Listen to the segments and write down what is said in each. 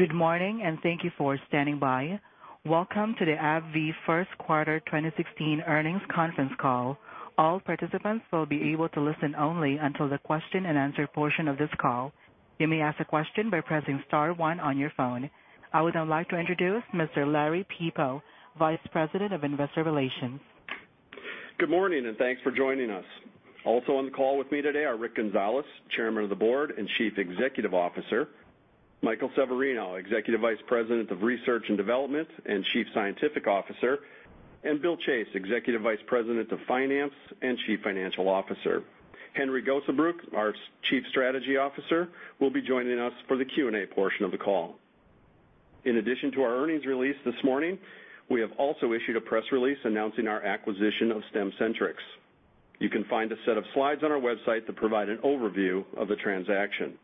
Good morning, and thank you for standing by. Welcome to the AbbVie First Quarter 2016 Earnings Conference Call. All participants will be able to listen only until the question and answer portion of this call. You may ask a question by pressing star one on your phone. I would now like to introduce Mr. Larry Peepo, Vice President of Investor Relations. Good morning, and thanks for joining us. Also on the call with me today are Rick Gonzalez, Chairman of the Board and Chief Executive Officer, Michael Severino, Executive Vice President of Research and Development and Chief Scientific Officer, and Bill Chase, Executive Vice President of Finance and Chief Financial Officer. Henry Gosebruch, our Chief Strategy Officer, will be joining us for the Q&A portion of the call. In addition to our earnings release this morning, we have also issued a press release announcing our acquisition of Stemcentrx. You can find a set of slides on our website that provide an overview of the transaction.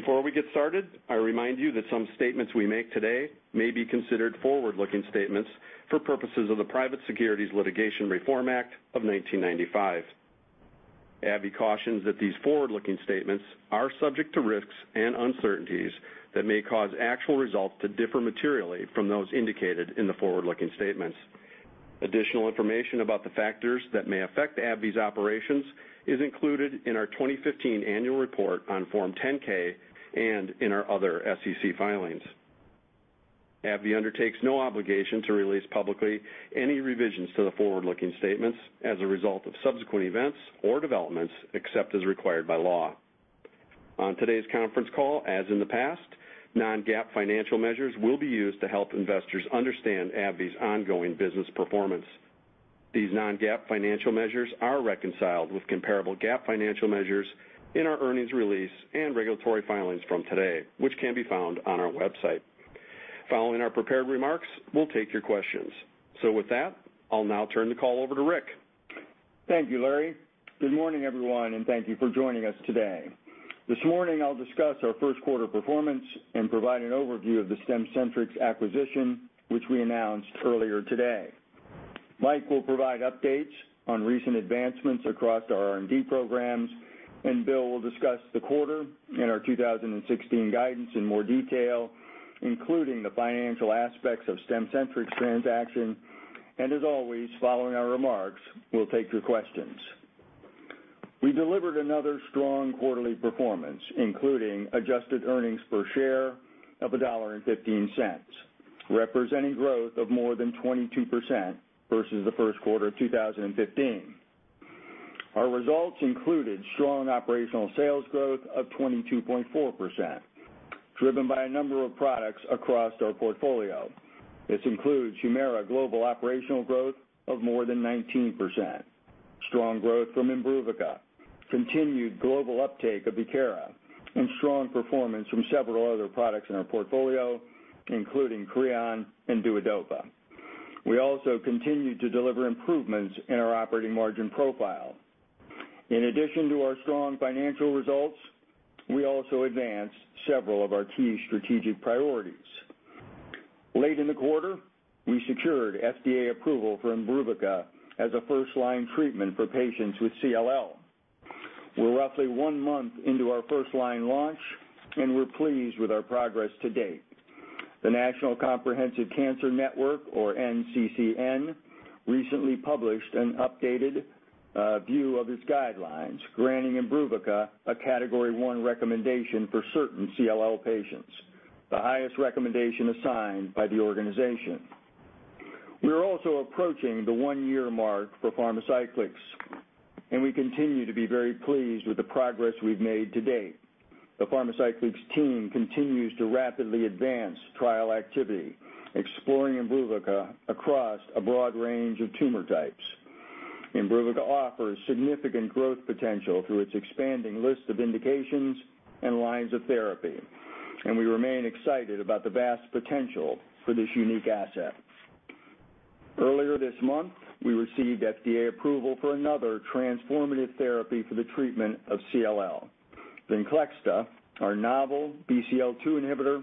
Before we get started, I remind you that some statements we make today may be considered forward-looking statements for purposes of the Private Securities Litigation Reform Act of 1995. AbbVie cautions that these forward-looking statements are subject to risks and uncertainties that may cause actual results to differ materially from those indicated in the forward-looking statements. Additional information about the factors that may affect AbbVie's operations is included in our 2015 annual report on Form 10-K and in our other SEC filings. AbbVie undertakes no obligation to release publicly any revisions to the forward-looking statements as a result of subsequent events or developments, except as required by law. On today's conference call, as in the past, non-GAAP financial measures will be used to help investors understand AbbVie's ongoing business performance. These non-GAAP financial measures are reconciled with comparable GAAP financial measures in our earnings release and regulatory filings from today, which can be found on our website. Following our prepared remarks, we'll take your questions. With that, I'll now turn the call over to Rick. Thank you, Larry. Good morning, everyone, and thank you for joining us today. This morning, I'll discuss our first quarter performance and provide an overview of the Stemcentrx acquisition, which we announced earlier today. Mike will provide updates on recent advancements across our R&D programs, and Bill will discuss the quarter and our 2016 guidance in more detail, including the financial aspects of Stemcentrx transaction. As always, following our remarks, we'll take your questions. We delivered another strong quarterly performance, including adjusted earnings per share of $1.15, representing growth of more than 22% versus the first quarter of 2015. Our results included strong operational sales growth of 22.4%, driven by a number of products across our portfolio. This includes HUMIRA global operational growth of more than 19%, strong growth from IMBRUVICA, continued global uptake of VIEKIRA, and strong performance from several other products in our portfolio, including CREON and DUODOPA. We also continued to deliver improvements in our operating margin profile. In addition to our strong financial results, we also advanced several of our key strategic priorities. Late in the quarter, we secured FDA approval for IMBRUVICA as a first-line treatment for patients with CLL. We're roughly one month into our first-line launch, and we're pleased with our progress to date. The National Comprehensive Cancer Network, or NCCN, recently published an updated view of its guidelines, granting IMBRUVICA a Category 1 recommendation for certain CLL patients, the highest recommendation assigned by the organization. We are also approaching the one-year mark for Pharmacyclics, and we continue to be very pleased with the progress we've made to date. The Pharmacyclics team continues to rapidly advance trial activity, exploring IMBRUVICA across a broad range of tumor types. IMBRUVICA offers significant growth potential through its expanding list of indications and lines of therapy, we remain excited about the vast potential for this unique asset. Earlier this month, we received FDA approval for another transformative therapy for the treatment of CLL. VENCLEXTA, our novel BCL-2 inhibitor,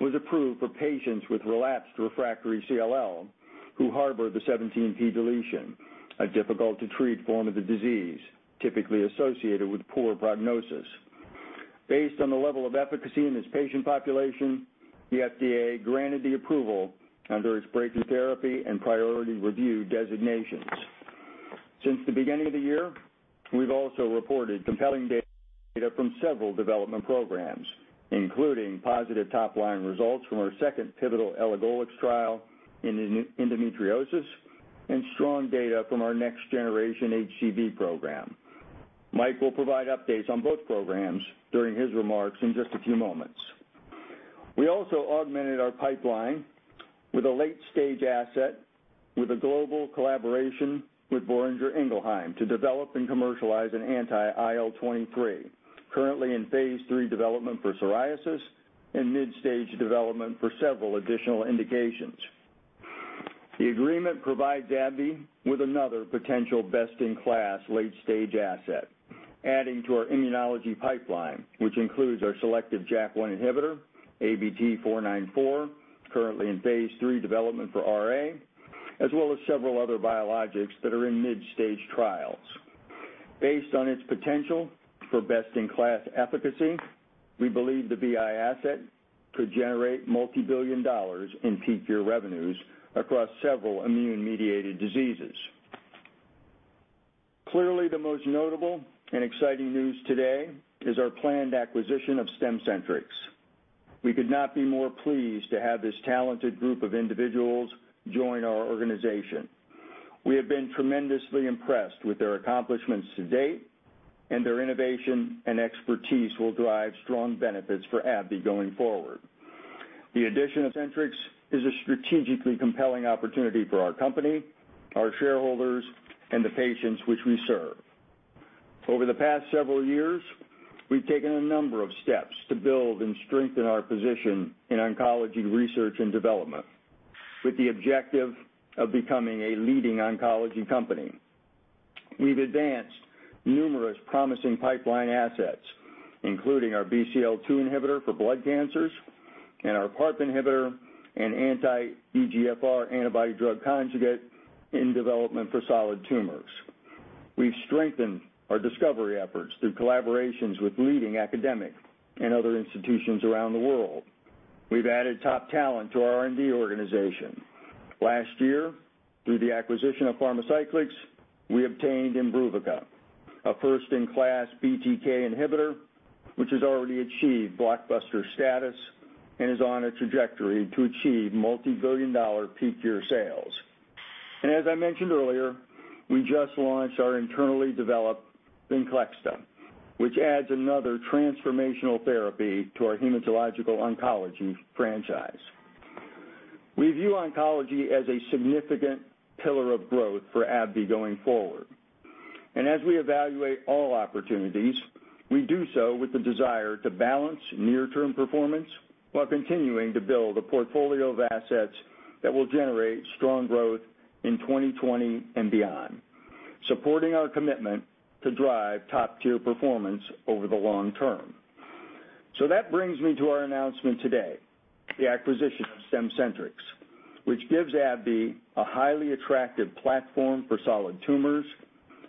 was approved for patients with relapsed/refractory CLL who harbor the 17p deletion, a difficult-to-treat form of the disease, typically associated with poor prognosis. Based on the level of efficacy in this patient population, the FDA granted the approval under its breakthrough therapy and priority review designations. Since the beginning of the year, we've also reported compelling data from several development programs, including positive top-line results from our second pivotal elagolix trial in endometriosis and strong data from our next-generation HCV program. Mike will provide updates on both programs during his remarks in just a few moments. We also augmented our pipeline with a late-stage asset with a global collaboration with Boehringer Ingelheim to develop and commercialize an anti-IL-23, currently in phase III development for psoriasis and mid-stage development for several additional indications. The agreement provides AbbVie with another potential best-in-class late-stage asset, adding to our immunology pipeline, which includes our selective JAK1 inhibitor, ABT-494, currently in phase III development for RA, as well as several other biologics that are in mid-stage trials. Based on its potential for best-in-class efficacy, we believe the BI asset could generate $multibillion in peak year revenues across several immune-mediated diseases. Clearly, the most notable and exciting news today is our planned acquisition of Stemcentrx. We could not be more pleased to have this talented group of individuals join our organization. We have been tremendously impressed with their accomplishments to date, their innovation and expertise will drive strong benefits for AbbVie going forward. The addition of Stemcentrx is a strategically compelling opportunity for our company, our shareholders, the patients which we serve. Over the past several years, we've taken a number of steps to build and strengthen our position in oncology research and development with the objective of becoming a leading oncology company. We've advanced numerous promising pipeline assets, including our BCL-2 inhibitor for blood cancers, our PARP inhibitor and anti-EGFR antibody drug conjugate in development for solid tumors. We've strengthened our discovery efforts through collaborations with leading academic and other institutions around the world. We've added top talent to our R&D organization. Last year, through the acquisition of Pharmacyclics, we obtained IMBRUVICA, a first-in-class BTK inhibitor, which has already achieved blockbuster status and is on a trajectory to achieve multibillion-dollar peak year sales. As I mentioned earlier, we just launched our internally developed VENCLEXTA, which adds another transformational therapy to our hematological oncology franchise. We view oncology as a significant pillar of growth for AbbVie going forward. As we evaluate all opportunities, we do so with the desire to balance near-term performance while continuing to build a portfolio of assets that will generate strong growth in 2020 and beyond, supporting our commitment to drive top-tier performance over the long term. That brings me to our announcement today, the acquisition of Stemcentrx, which gives AbbVie a highly attractive platform for solid tumors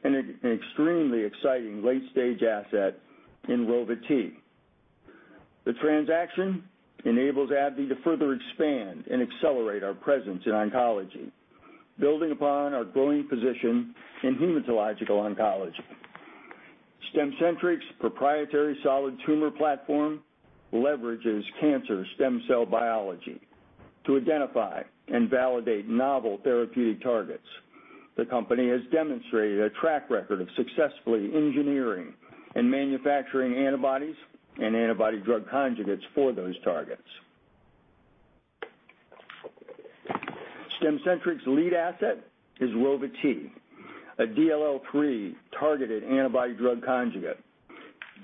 and an an extremely exciting late-stage asset in Rova-T. The transaction enables AbbVie to further expand and accelerate our presence in oncology, building upon our growing position in hematological oncology. Stemcentrx proprietary solid tumor platform leverages cancer stem cell biology to identify and validate novel therapeutic targets. The company has demonstrated a track record of successfully engineering and manufacturing antibodies and antibody drug conjugates for those targets. Stemcentrx lead asset is Rova-T, a DLL3-targeted antibody drug conjugate.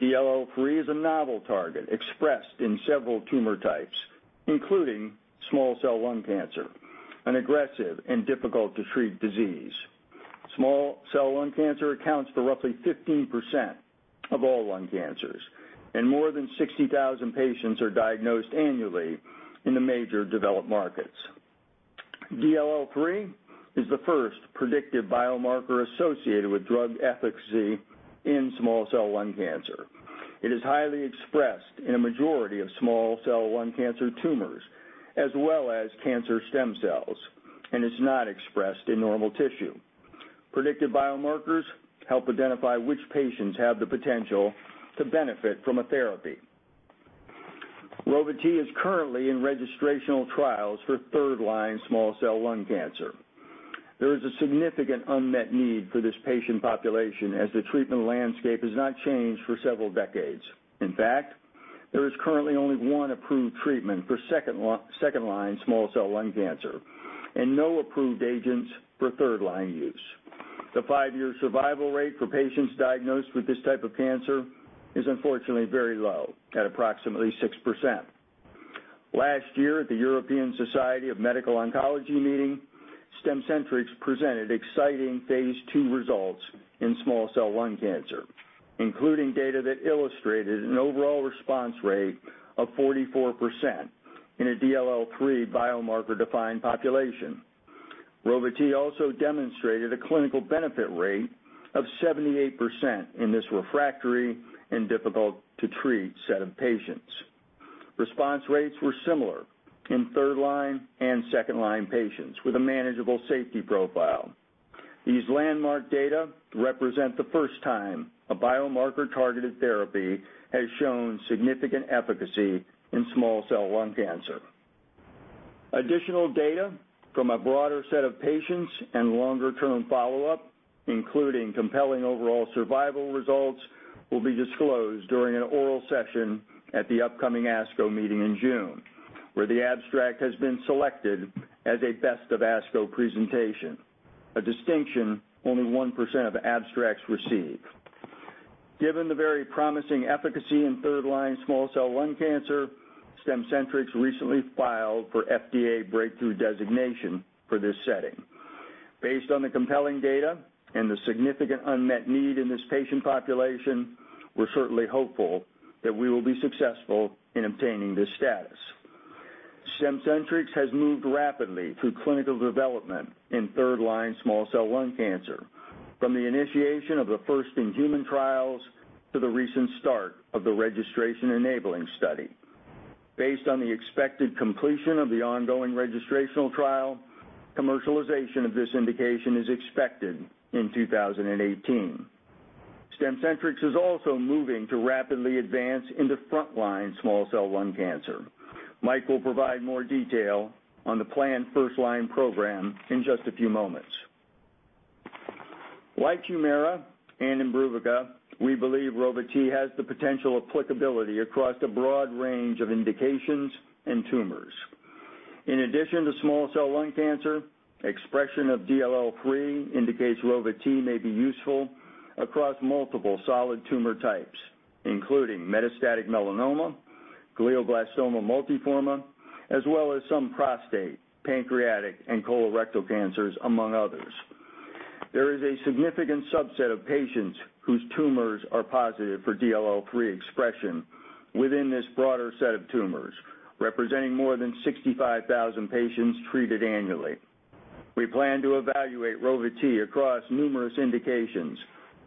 DLL3 is a novel target expressed in several tumor types, including small cell lung cancer, an aggressive and difficult-to-treat disease. Small cell lung cancer accounts for roughly 15% of all lung cancers, and more than 60,000 patients are diagnosed annually in the major developed markets. DLL3 is the first predictive biomarker associated with drug efficacy in small cell lung cancer. It is highly expressed in a majority of small cell lung cancer tumors, as well as cancer stem cells, and is not expressed in normal tissue. Predictive biomarkers help identify which patients have the potential to benefit from a therapy. Rova-T is currently in registrational trials for third-line small cell lung cancer. There is a significant unmet need for this patient population, as the treatment landscape has not changed for several decades. In fact, there is currently only one approved treatment for second-line small cell lung cancer and no approved agents for third-line use. The five-year survival rate for patients diagnosed with this type of cancer is unfortunately very low, at approximately 6%. Last year, at the European Society for Medical Oncology meeting, Stemcentrx presented exciting phase II results in small cell lung cancer, including data that illustrated an overall response rate of 44% in a DLL3 biomarker-defined population. Rova-T also demonstrated a clinical benefit rate of 78% in this refractory and difficult-to-treat set of patients. Response rates were similar in third-line and second-line patients with a manageable safety profile. These landmark data represent the first time a biomarker-targeted therapy has shown significant efficacy in small cell lung cancer. Additional data from a broader set of patients and longer-term follow-up, including compelling overall survival results, will be disclosed during an oral session at the upcoming ASCO meeting in June, where the abstract has been selected as a Best of ASCO presentation, a distinction only 1% of abstracts receive. Given the very promising efficacy in third-line small cell lung cancer, Stemcentrx recently filed for FDA breakthrough designation for this setting. Based on the compelling data and the significant unmet need in this patient population, we're certainly hopeful that we will be successful in obtaining this status. Stemcentrx has moved rapidly through clinical development in third-line small cell lung cancer, from the initiation of the first in-human trials to the recent start of the registration enabling study. Based on the expected completion of the ongoing registrational trial, commercialization of this indication is expected in 2018. Stemcentrx is also moving to rapidly advance into first-line small cell lung cancer. Mike will provide more detail on the planned first-line program in just a few moments. Like HUMIRA and IMBRUVICA, we believe Rova-T has the potential applicability across a broad range of indications and tumors. In addition to small cell lung cancer, expression of DLL3 indicates Rova-T may be useful across multiple solid tumor types, including metastatic melanoma, glioblastoma multiforme, as well as some prostate, pancreatic, and colorectal cancers, among others. There is a significant subset of patients whose tumors are positive for DLL3 expression within this broader set of tumors, representing more than 65,000 patients treated annually. We plan to evaluate Rova-T across numerous indications,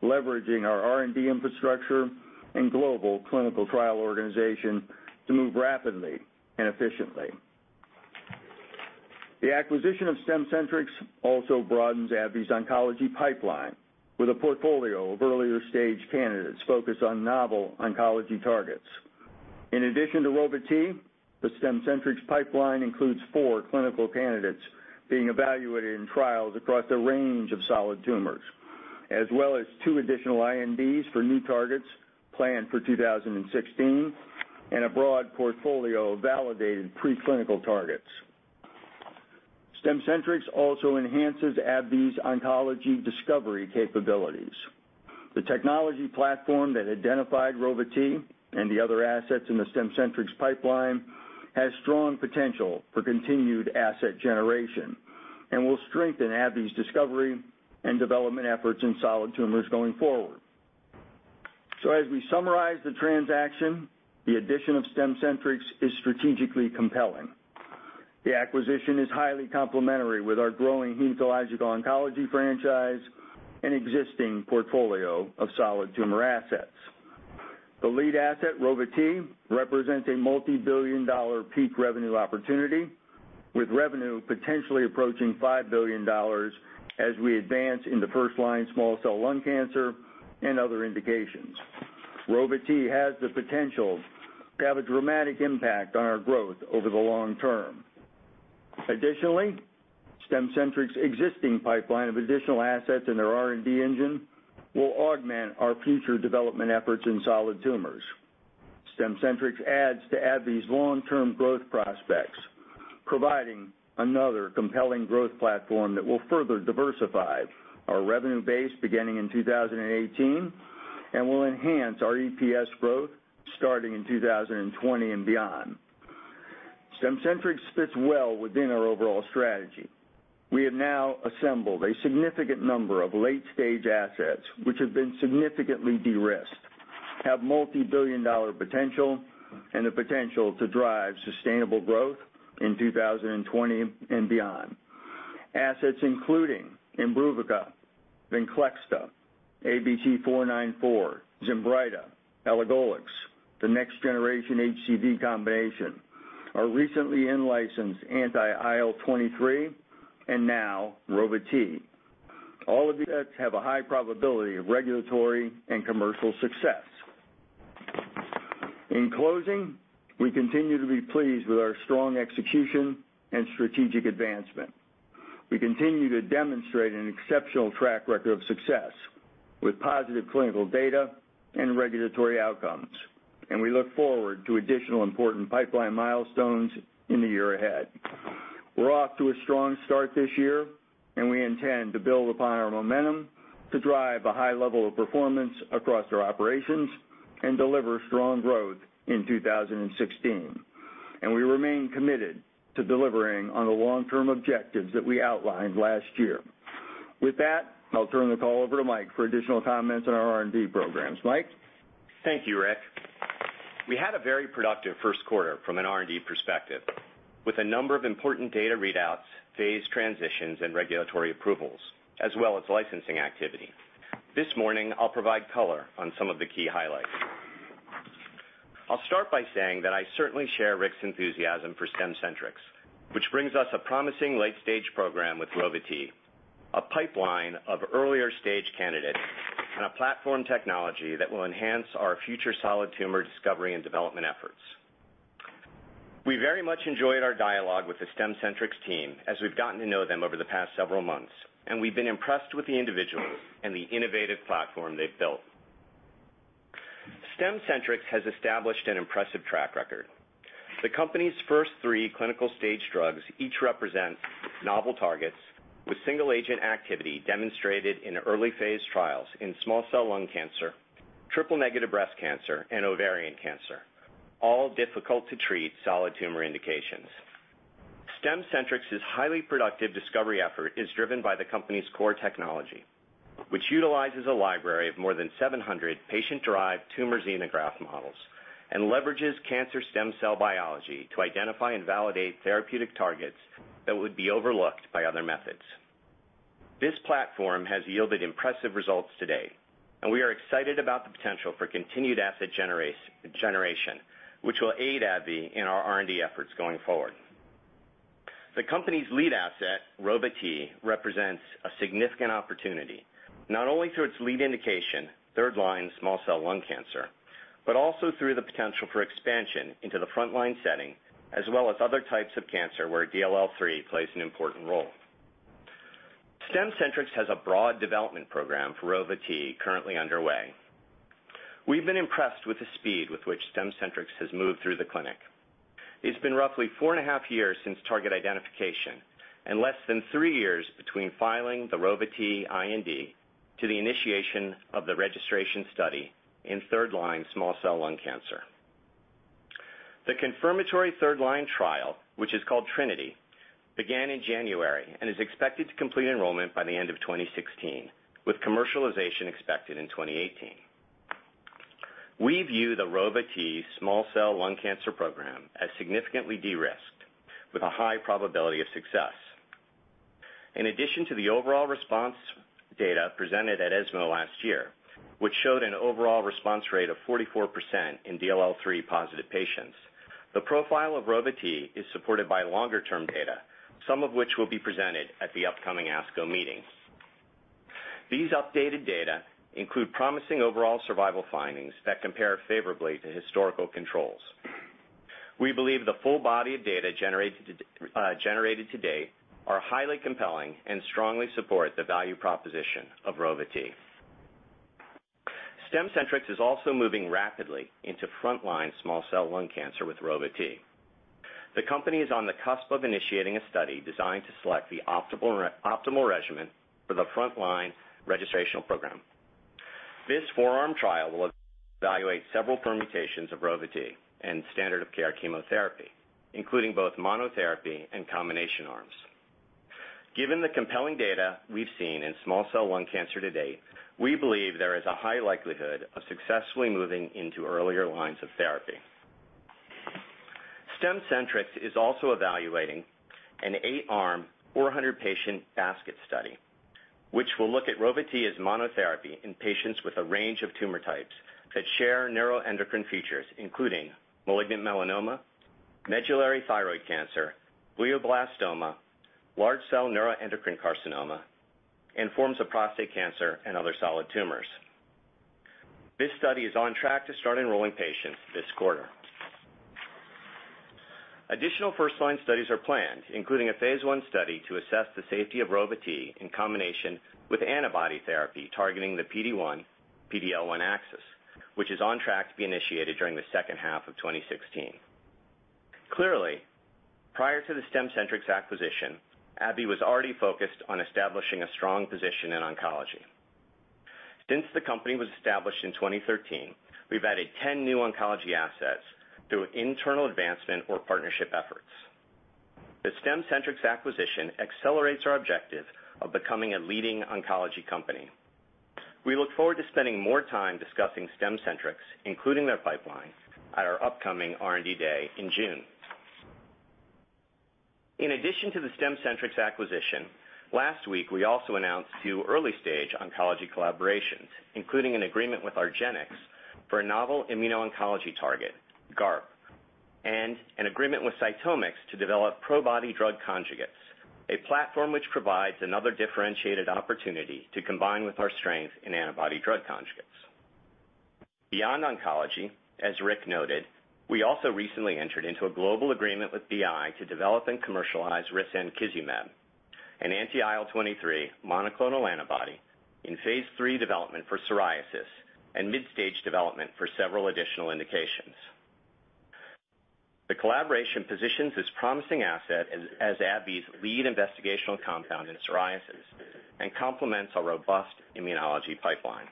leveraging our R&D infrastructure and global clinical trial organization to move rapidly and efficiently. The acquisition of Stemcentrx also broadens AbbVie's oncology pipeline with a portfolio of earlier-stage candidates focused on novel oncology targets. In addition to Rova-T, the Stemcentrx pipeline includes four clinical candidates being evaluated in trials across a range of solid tumors, as well as two additional INDs for new targets planned for 2016 and a broad portfolio of validated pre-clinical targets. Stemcentrx also enhances AbbVie's oncology discovery capabilities. The technology platform that identified Rova-T and the other assets in the Stemcentrx pipeline has strong potential for continued asset generation and will strengthen AbbVie's discovery and development efforts in solid tumors going forward. As we summarize the transaction, the addition of Stemcentrx is strategically compelling. The acquisition is highly complementary with our growing hematological oncology franchise and existing portfolio of solid tumor assets. The lead asset, Rova-T, represents a multi-billion dollar peak revenue opportunity with revenue potentially approaching $5 billion as we advance in the first-line small cell lung cancer and other indications. Rova-T has the potential to have a dramatic impact on our growth over the long term. Additionally, Stemcentrx's existing pipeline of additional assets in their R&D engine will augment our future development efforts in solid tumors. Stemcentrx adds to AbbVie's long-term growth prospects, providing another compelling growth platform that will further diversify our revenue base beginning in 2018, and will enhance our EPS growth starting in 2020 and beyond. Stemcentrx fits well within our overall strategy. We have now assembled a significant number of late-stage assets, which have been significantly de-risked, have multi-billion dollar potential, and the potential to drive sustainable growth in 2020 and beyond. Assets including IMBRUVICA, VENCLEXTA, ABT-494, ZINBRYTA, elagolix, the next generation HCV combination, our recently in-licensed anti-IL-23, and now Rova-T. All of these assets have a high probability of regulatory and commercial success. In closing, we continue to be pleased with our strong execution and strategic advancement. We continue to demonstrate an exceptional track record of success with positive clinical data and regulatory outcomes, and we look forward to additional important pipeline milestones in the year ahead. We're off to a strong start this year. We intend to build upon our momentum to drive a high level of performance across our operations and deliver strong growth in 2016. We remain committed to delivering on the long-term objectives that we outlined last year. With that, I'll turn the call over to Mike for additional comments on our R&D programs. Mike? Thank you, Rick. We had a very productive first quarter from an R&D perspective with a number of important data readouts, phase transitions, and regulatory approvals, as well as licensing activity. This morning, I'll provide color on some of the key highlights. I'll start by saying that I certainly share Rick's enthusiasm for Stemcentrx, which brings us a promising late-stage program with Rova-T, a pipeline of earlier-stage candidates, and a platform technology that will enhance our future solid tumor discovery and development efforts. We very much enjoyed our dialogue with the Stemcentrx team as we've gotten to know them over the past several months. We've been impressed with the individuals and the innovative platform they've built. Stemcentrx has established an impressive track record. The company's first three clinical stage drugs each represent novel targets with single agent activity demonstrated in early phase trials in small cell lung cancer, triple negative breast cancer, and ovarian cancer, all difficult to treat solid tumor indications. Stemcentrx's highly productive discovery effort is driven by the company's core technology, which utilizes a library of more than 700 patient-derived tumor xenograft models and leverages cancer stem cell biology to identify and validate therapeutic targets that would be overlooked by other methods. This platform has yielded impressive results to date. We are excited about the potential for continued asset generation, which will aid AbbVie in our R&D efforts going forward. The company's lead asset, Rova-T, represents a significant opportunity, not only through its lead indication, third-line small cell lung cancer, but also through the potential for expansion into the front-line setting, as well as other types of cancer where DLL3 plays an important role. Stemcentrx has a broad development program for Rova-T currently underway. We've been impressed with the speed with which Stemcentrx has moved through the clinic. It's been roughly four and a half years since target identification and less than three years between filing the Rova-T IND to the initiation of the registration study in third-line small cell lung cancer. The confirmatory third-line trial, which is called TRINITY, began in January and is expected to complete enrollment by the end of 2016, with commercialization expected in 2018. We view the Rova-T small cell lung cancer program as significantly de-risked, with a high probability of success. In addition to the overall response data presented at ESMO last year, which showed an overall response rate of 44% in DLL3-positive patients, the profile of Rova-T is supported by longer-term data, some of which will be presented at the upcoming ASCO meetings. These updated data include promising overall survival findings that compare favorably to historical controls. We believe the full body of data generated to date are highly compelling and strongly support the value proposition of Rova-T. Stemcentrx is also moving rapidly into front-line small cell lung cancer with Rova-T. The company is on the cusp of initiating a study designed to select the optimal regimen for the front-line registrational program. This 4-arm trial will evaluate several permutations of Rova-T and standard of care chemotherapy, including both monotherapy and combination arms. Given the compelling data we've seen in small cell lung cancer to date, we believe there is a high likelihood of successfully moving into earlier lines of therapy. Stemcentrx is also evaluating an 8-arm, 400-patient basket study, which will look at Rova-T as monotherapy in patients with a range of tumor types that share neuroendocrine features, including malignant melanoma, medullary thyroid cancer, glioblastoma, large cell neuroendocrine carcinoma, and forms of prostate cancer and other solid tumors. This study is on track to start enrolling patients this quarter. Additional first-line studies are planned, including a phase I study to assess the safety of Rova-T in combination with antibody therapy targeting the PD-1/PD-L1 axis, which is on track to be initiated during the second half of 2016. Clearly, prior to the Stemcentrx acquisition, AbbVie was already focused on establishing a strong position in oncology. Since the company was established in 2013, we've added 10 new oncology assets through internal advancement or partnership efforts. The Stemcentrx acquisition accelerates our objective of becoming a leading oncology company. We look forward to spending more time discussing Stemcentrx, including their pipeline, at our upcoming R&D Day in June. In addition to the Stemcentrx acquisition, last week, we also announced two early-stage oncology collaborations, including an agreement with argenx for a novel immuno-oncology target, GARP, and an agreement with CytomX to develop ProBody drug conjugates, a platform which provides another differentiated opportunity to combine with our strength in antibody drug conjugates. Beyond oncology, as Rick noted, we also recently entered into a global agreement with BI to develop and commercialize risankizumab, an anti-IL-23 monoclonal antibody in phase III development for psoriasis and mid-stage development for several additional indications. The collaboration positions this promising asset as AbbVie's lead investigational compound in psoriasis and complements our robust immunology pipeline.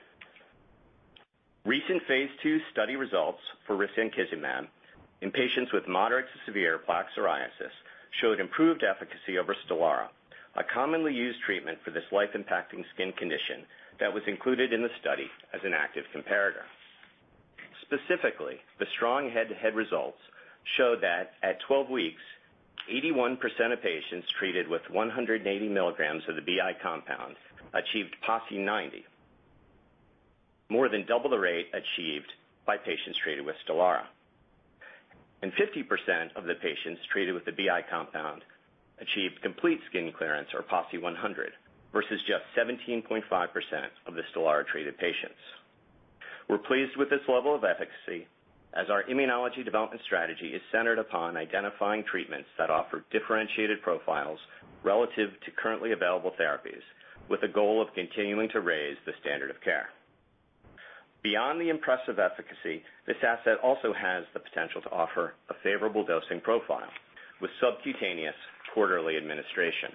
Recent phase II study results for risankizumab in patients with moderate to severe plaque psoriasis showed improved efficacy over STELARA, a commonly used treatment for this life-impacting skin condition that was included in the study as an active comparator. Specifically, the strong head-to-head results show that at 12 weeks, 81% of patients treated with 180 milligrams of the BI compound achieved PASI 90, more than double the rate achieved by patients treated with STELARA. 50% of the patients treated with the BI compound achieved complete skin clearance or PASI 100, versus just 17.5% of the STELARA-treated patients. We're pleased with this level of efficacy, as our immunology development strategy is centered upon identifying treatments that offer differentiated profiles relative to currently available therapies, with a goal of continuing to raise the standard of care. Beyond the impressive efficacy, this asset also has the potential to offer a favorable dosing profile with subcutaneous quarterly administration.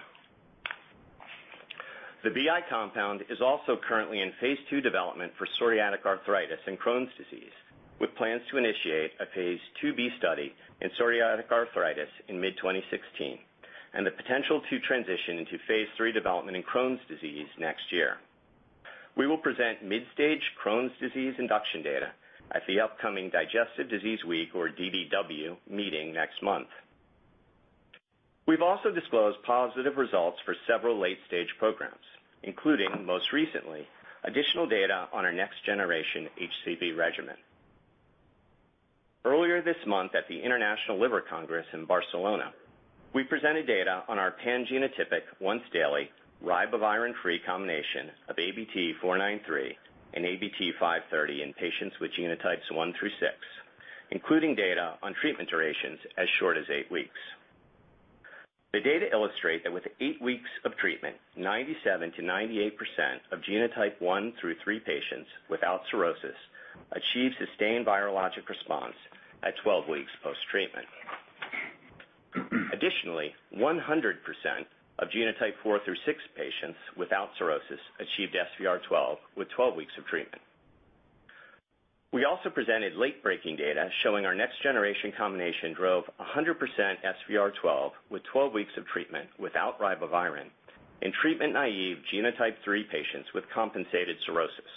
The BI compound is also currently in phase II development for psoriatic arthritis and Crohn's disease, with plans to initiate a phase IIb study in psoriatic arthritis in mid-2016, and the potential to transition into phase III development in Crohn's disease next year. We will present mid-stage Crohn's disease induction data at the upcoming Digestive Disease Week, or DDW, meeting next month. We've also disclosed positive results for several late-stage programs, including most recently, additional data on our next generation HCV regimen. Earlier this month at the International Liver Congress in Barcelona, we presented data on our pan-genotypic once daily ribavirin-free combination of ABT-493 and ABT-530 in patients with genotypes 1 through 6, including data on treatment durations as short as eight weeks. The data illustrate that with eight weeks of treatment, 97%-98% of genotype 1 through 3 patients without cirrhosis achieved sustained virologic response at 12 weeks post-treatment. Additionally, 100% of genotype 4 through 6 patients without cirrhosis achieved SVR12 with 12 weeks of treatment. We also presented late-breaking data showing our next generation combination drove 100% SVR12 with 12 weeks of treatment without ribavirin in treatment-naive genotype 3 patients with compensated cirrhosis.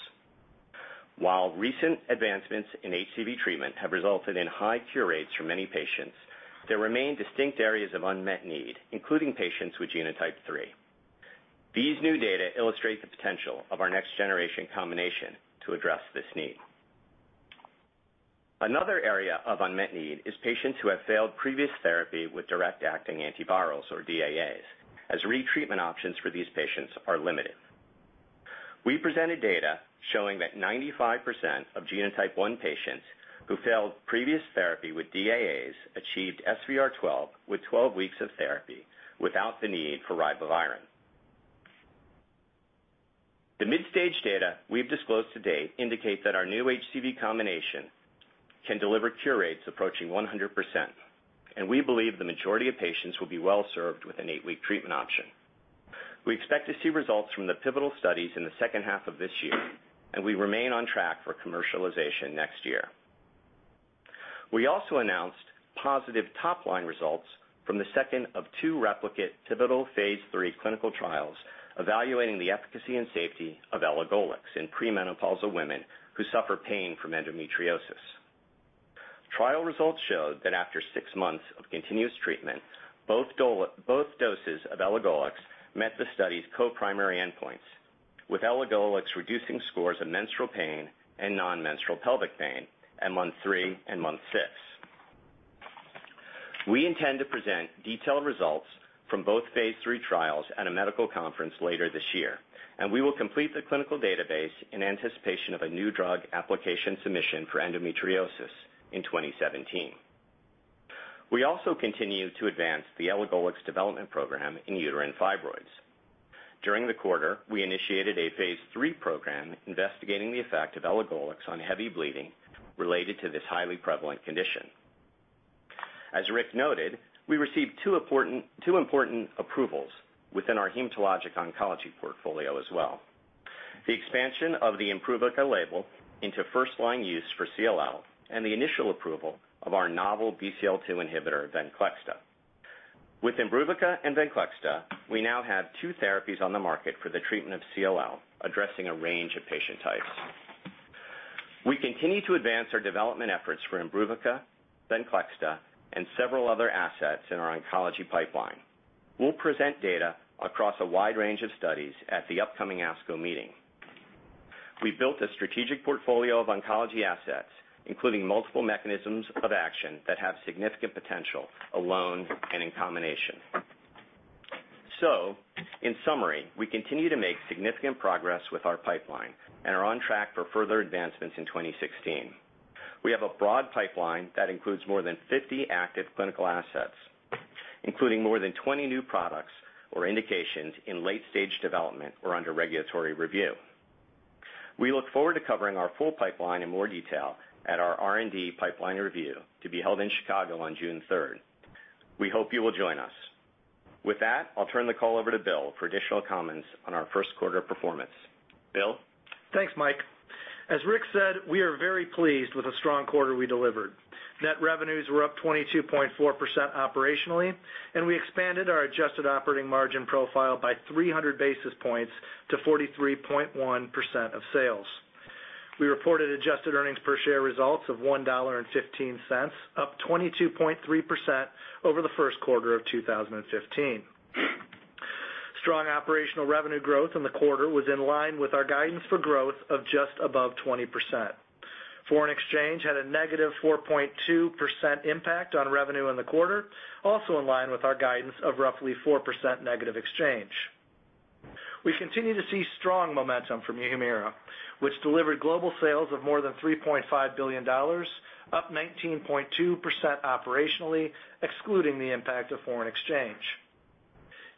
While recent advancements in HCV treatment have resulted in high cure rates for many patients, there remain distinct areas of unmet need, including patients with genotype 3. These new data illustrate the potential of our next generation combination to address this need. Another area of unmet need is patients who have failed previous therapy with direct acting antivirals, or DAAs, as retreatment options for these patients are limited. We presented data showing that 95% of genotype 1 patients who failed previous therapy with DAAs achieved SVR12 with 12 weeks of therapy without the need for ribavirin. The mid-stage data we've disclosed to date indicate that our new HCV combination can deliver cure rates approaching 100%, and we believe the majority of patients will be well-served with an eight-week treatment option. We expect to see results from the pivotal studies in the second half of this year, and we remain on track for commercialization next year. We also announced positive top-line results from the second of two replicate pivotal phase III clinical trials evaluating the efficacy and safety of elagolix in premenopausal women who suffer pain from endometriosis. Trial results showed that after six months of continuous treatment, both doses of elagolix met the study's co-primary endpoints, with elagolix reducing scores of menstrual pain and non-menstrual pelvic pain at month 3 and month 6. We intend to present detailed results from both phase III trials at a medical conference later this year, and we will complete the clinical database in anticipation of a new drug application submission for endometriosis in 2017. We also continue to advance the elagolix development program in uterine fibroids. During the quarter, we initiated a phase III program investigating the effect of elagolix on heavy bleeding related to this highly prevalent condition. As Rick noted, we received two important approvals within our hematologic oncology portfolio as well. The expansion of the IMBRUVICA label into first-line use for CLL, and the initial approval of our novel BCL-2 inhibitor, VENCLEXTA. With IMBRUVICA and VENCLEXTA, we now have two therapies on the market for the treatment of CLL, addressing a range of patient types. We continue to advance our development efforts for IMBRUVICA, VENCLEXTA, and several other assets in our oncology pipeline. We'll present data across a wide range of studies at the upcoming ASCO meeting. We've built a strategic portfolio of oncology assets, including multiple mechanisms of action that have significant potential alone and in combination. In summary, we continue to make significant progress with our pipeline and are on track for further advancements in 2016. We have a broad pipeline that includes more than 50 active clinical assets, including more than 20 new products or indications in late-stage development or under regulatory review. We look forward to covering our full pipeline in more detail at our R&D pipeline review to be held in Chicago on June 3rd. We hope you will join us. With that, I'll turn the call over to Bill for additional comments on our first quarter performance. Bill? Thanks, Mike. As Rick said, we are very pleased with the strong quarter we delivered. Net revenues were up 22.4% operationally, and we expanded our adjusted operating margin profile by 300 basis points to 43.1% of sales. We reported adjusted earnings per share results of $1.15, up 22.3% over the first quarter of 2015. Strong operational revenue growth in the quarter was in line with our guidance for growth of just above 20%. Foreign exchange had a negative 4.2% impact on revenue in the quarter, also in line with our guidance of roughly 4% negative exchange. We continue to see strong momentum from HUMIRA, which delivered global sales of more than $3.5 billion, up 19.2% operationally, excluding the impact of foreign exchange.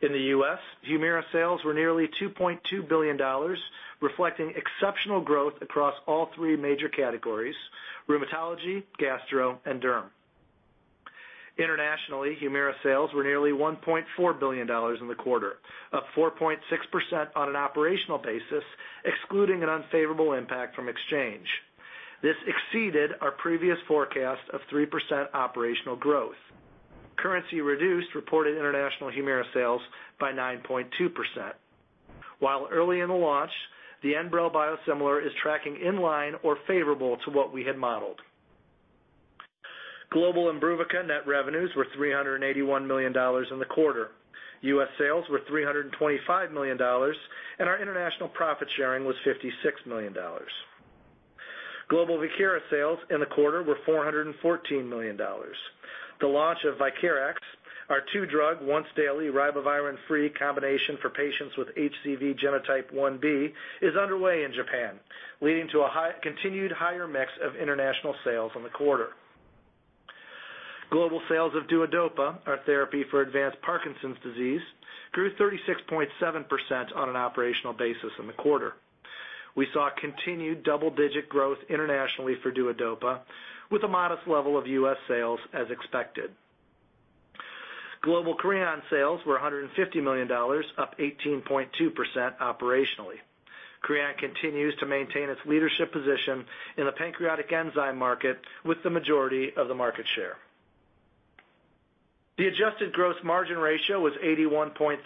In the U.S., HUMIRA sales were nearly $2.2 billion, reflecting exceptional growth across all three major categories: rheumatology, gastro, and derm. Internationally, HUMIRA sales were nearly $1.4 billion in the quarter, up 4.6% on an operational basis, excluding an unfavorable impact from exchange. This exceeded our previous forecast of 3% operational growth. Currency reduced reported international HUMIRA sales by 9.2%. While early in the launch, the Enbrel biosimilar is tracking in line or favorable to what we had modeled. Global IMBRUVICA net revenues were $381 million in the quarter. U.S. sales were $325 million, and our international profit sharing was $56 million. Global VIEKIRA sales in the quarter were $414 million. The launch of VIEKIRAX, our two-drug, once daily ribavirin-free combination for patients with HCV genotype 1b, is underway in Japan, leading to a continued higher mix of international sales in the quarter. Global sales of DUODOPA, our therapy for advanced Parkinson's disease, grew 36.7% on an operational basis in the quarter. We saw continued double-digit growth internationally for DUODOPA, with a modest level of U.S. sales as expected. Global CREON sales were $150 million, up 18.2% operationally. CREON continues to maintain its leadership position in the pancreatic enzyme market with the majority of the market share. The adjusted gross margin ratio was 81.3%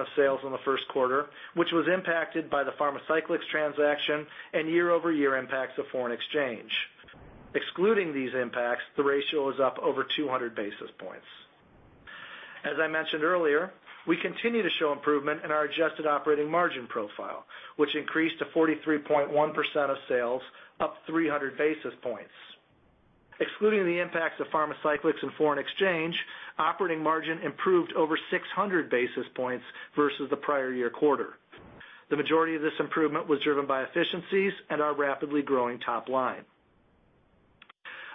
of sales in the first quarter, which was impacted by the Pharmacyclics transaction and year-over-year impacts of foreign exchange. Excluding these impacts, the ratio is up over 200 basis points. As I mentioned earlier, we continue to show improvement in our adjusted operating margin profile, which increased to 43.1% of sales, up 300 basis points. Excluding the impacts of Pharmacyclics and foreign exchange, operating margin improved over 600 basis points versus the prior year quarter. The majority of this improvement was driven by efficiencies and our rapidly growing top line.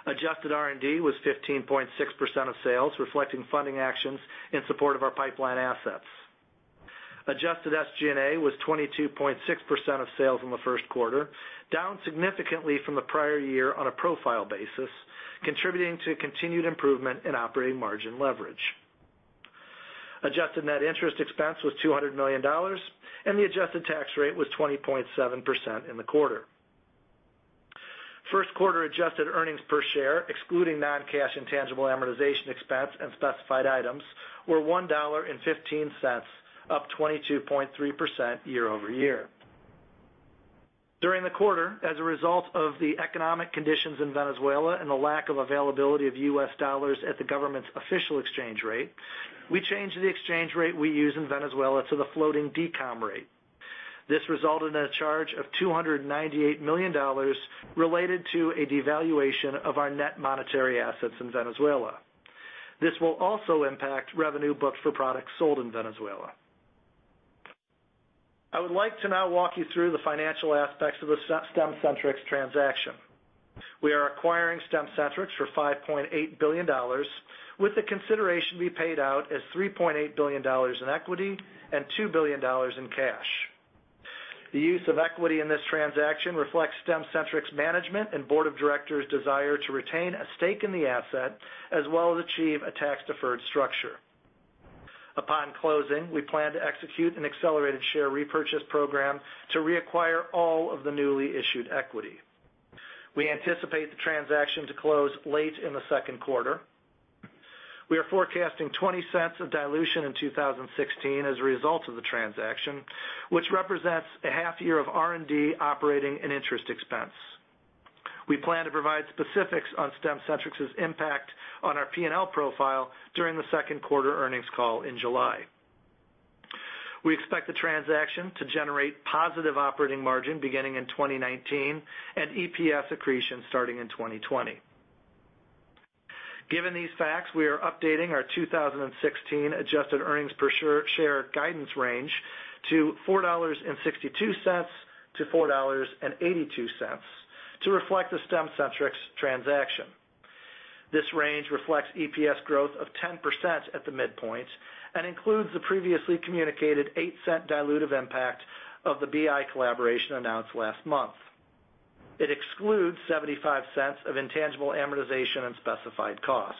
Adjusted R&D was 15.6% of sales, reflecting funding actions in support of our pipeline assets. Adjusted SG&A was 22.6% of sales in the first quarter, down significantly from the prior year on a profile basis, contributing to continued improvement in operating margin leverage. Adjusted net interest expense was $200 million, and the adjusted tax rate was 20.7% in the quarter. First quarter adjusted earnings per share, excluding non-cash intangible amortization expense and specified items, were $1.15, up 22.3% year-over-year. During the quarter, as a result of the economic conditions in Venezuela and the lack of availability of U.S. dollars at the government's official exchange rate, we changed the exchange rate we use in Venezuela to the floating DICOM rate. This resulted in a charge of $298 million related to a devaluation of our net monetary assets in Venezuela. This will also impact revenue booked for products sold in Venezuela. I would like to now walk you through the financial aspects of the Stemcentrx transaction. We are acquiring Stemcentrx for $5.8 billion, with the consideration to be paid out as $3.8 billion in equity and $2 billion in cash. The use of equity in this transaction reflects Stemcentrx management and board of directors' desire to retain a stake in the asset, as well as achieve a tax-deferred structure. Upon closing, we plan to execute an accelerated share repurchase program to reacquire all of the newly issued equity. We anticipate the transaction to close late in the second quarter. We are forecasting $0.20 of dilution in 2016 as a result of the transaction, which represents a half year of R&D, operating, and interest expense. We plan to provide specifics on Stemcentrx's impact on our P&L profile during the second quarter earnings call in July. We expect the transaction to generate positive operating margin beginning in 2019 and EPS accretion starting in 2020. Given these facts, we are updating our 2016 adjusted earnings per share guidance range to $4.62-$4.82 to reflect the Stemcentrx transaction. This range reflects EPS growth of 10% at the midpoint and includes the previously communicated $0.08 dilutive impact of the BI collaboration announced last month. It excludes $0.75 of intangible amortization and specified costs.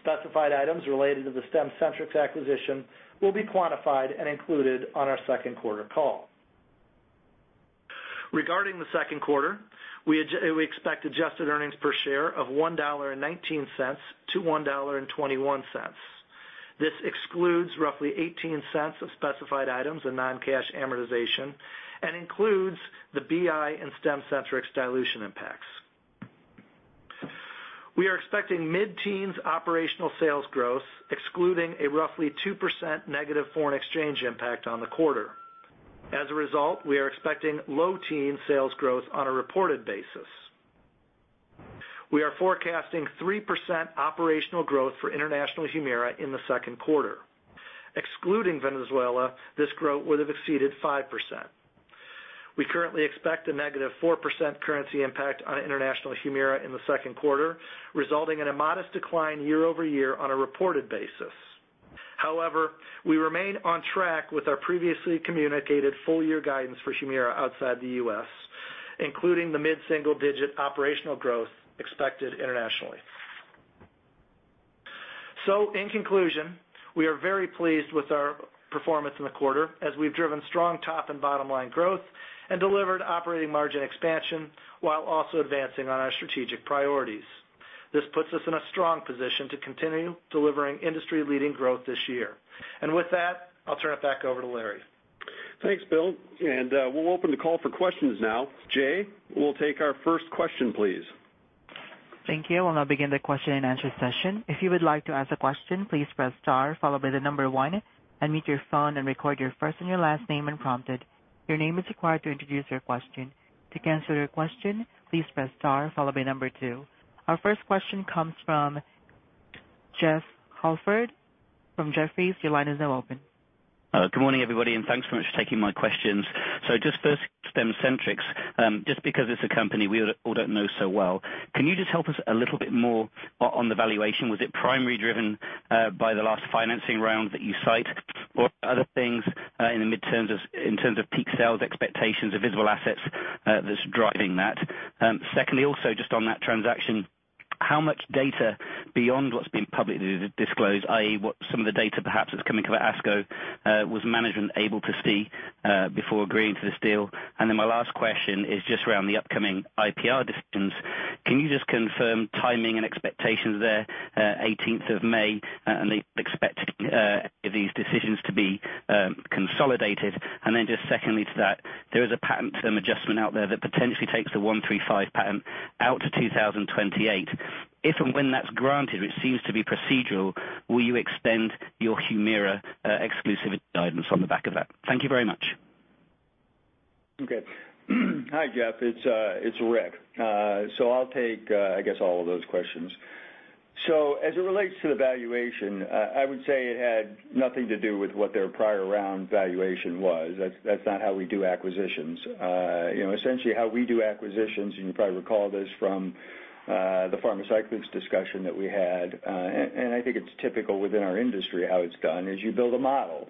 Specified items related to the Stemcentrx acquisition will be quantified and included on our second quarter call. Regarding the second quarter, we expect adjusted earnings per share of $1.19-$1.21. This excludes roughly $0.18 of specified items and non-cash amortization and includes the BI and Stemcentrx dilution impacts. We are expecting mid-teens operational sales growth, excluding a roughly 2% negative foreign exchange impact on the quarter. As a result, we are expecting low teen sales growth on a reported basis. We are forecasting 3% operational growth for international HUMIRA in the second quarter. Excluding Venezuela, this growth would have exceeded 5%. We currently expect a negative 4% currency impact on international HUMIRA in the second quarter, resulting in a modest decline year-over-year on a reported basis. However, we remain on track with our previously communicated full-year guidance for HUMIRA outside the U.S., including the mid-single-digit operational growth expected internationally. In conclusion, we are very pleased with our performance in the quarter as we've driven strong top and bottom line growth and delivered operating margin expansion while also advancing on our strategic priorities. This puts us in a strong position to continue delivering industry-leading growth this year. With that, I'll turn it back over to Larry. Thanks, Bill, we'll open the call for questions now. Jay, we'll take our first question, please. Thank you. We'll now begin the question and answer session. If you would like to ask a question, please press star followed by the number 1, unmute your phone and record your first and your last name when prompted. Your name is required to introduce your question. To cancel your question, please press star followed by number 2. Our first question comes from Jeffrey Holford from Jefferies. Your line is now open. Good morning, everybody, thanks so much for taking my questions. Just first, Stemcentrx, just because it's a company we all don't know so well, can you just help us a little bit more on the valuation? Was it primarily driven by the last financing round that you cite or other things in terms of peak sales expectations or visible assets that's driving that? Secondly, also just on that transaction, how much data beyond what's been publicly disclosed, i.e., what some of the data perhaps that's coming from ASCO was management able to see before agreeing to this deal? My last question is just around the upcoming IPR decisions. Can you just confirm timing and expectations there, 18th of May, and the expectation of these decisions to be consolidated? Just secondly to that, there is a patent term adjustment out there that potentially takes the 135 patent out to 2028. If and when that's granted, which seems to be procedural, will you extend your HUMIRA exclusivity guidance on the back of that? Thank you very much. Okay. Hi, Jeff, it's Rick. I'll take, I guess, all of those questions. As it relates to the valuation, I would say it had nothing to do with what their prior round valuation was. That's not how we do acquisitions. Essentially how we do acquisitions, you can probably recall this from the Pharmacyclics discussion that we had, and I think it's typical within our industry how it's done, is you build a model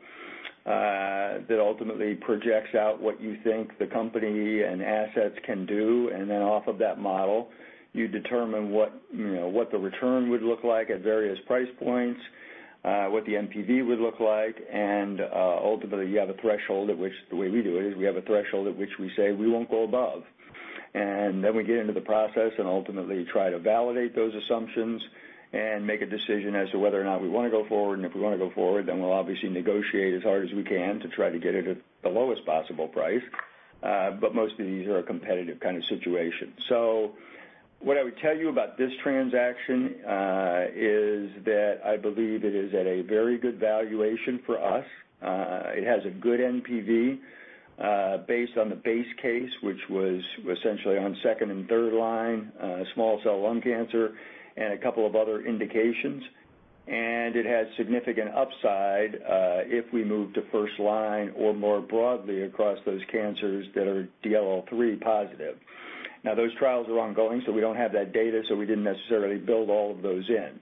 that ultimately projects out what you think the company and assets can do. Off of that model, you determine what the return would look like at various price points, what the NPV would look like, and ultimately, the way we do it is we have a threshold at which we say we won't go above. We get into the process and ultimately try to validate those assumptions and make a decision as to whether or not we want to go forward, and if we want to go forward, we'll obviously negotiate as hard as we can to try to get it at the lowest possible price. Most of these are a competitive kind of situation. What I would tell you about this transaction is that I believe it is at a very good valuation for us. It has a good NPV based on the base case, which was essentially on 2nd and 3rd line, small cell lung cancer and a couple of other indications. It has significant upside if we move to 1st line or more broadly across those cancers that are DLL3 positive. Those trials are ongoing, we don't have that data, we didn't necessarily build all of those in.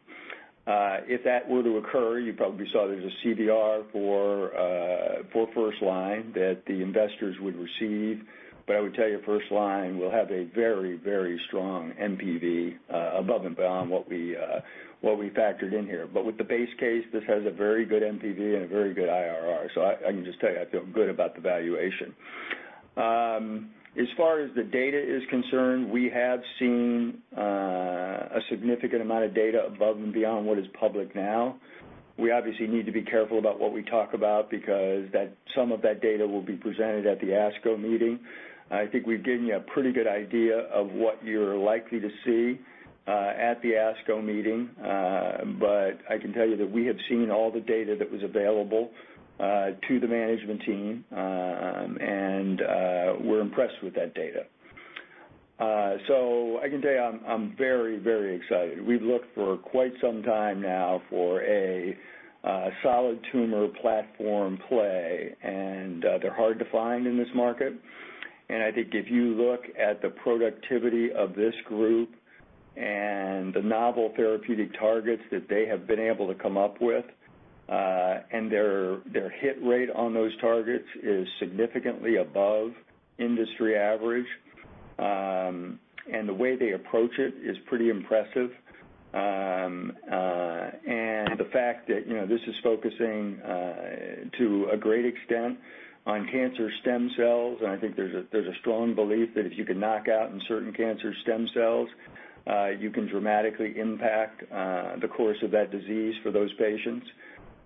If that were to occur, you probably saw there's a CVR for 1st line that the investors would receive. I would tell you 1st line will have a very strong NPV above and beyond what we factored in here. With the base case, this has a very good NPV and a very good IRR. I can just tell you, I feel good about the valuation. As far as the data is concerned, we have seen a significant amount of data above and beyond what is public now. We obviously need to be careful about what we talk about because some of that data will be presented at the ASCO meeting. I think we've given you a pretty good idea of what you're likely to see at the ASCO meeting. I can tell you that we have seen all the data that was available to the management team, and we're impressed with that data. I can tell you, I'm very excited. We've looked for quite some time now for a solid tumor platform play, and they're hard to find in this market. I think if you look at the productivity of this group and the novel therapeutic targets that they have been able to come up with, and their hit rate on those targets is significantly above industry average. The way they approach it is pretty impressive. The fact that this is focusing to a great extent on cancer stem cells, and I think there's a strong belief that if you can knock out certain cancer stem cells, you can dramatically impact the course of that disease for those patients.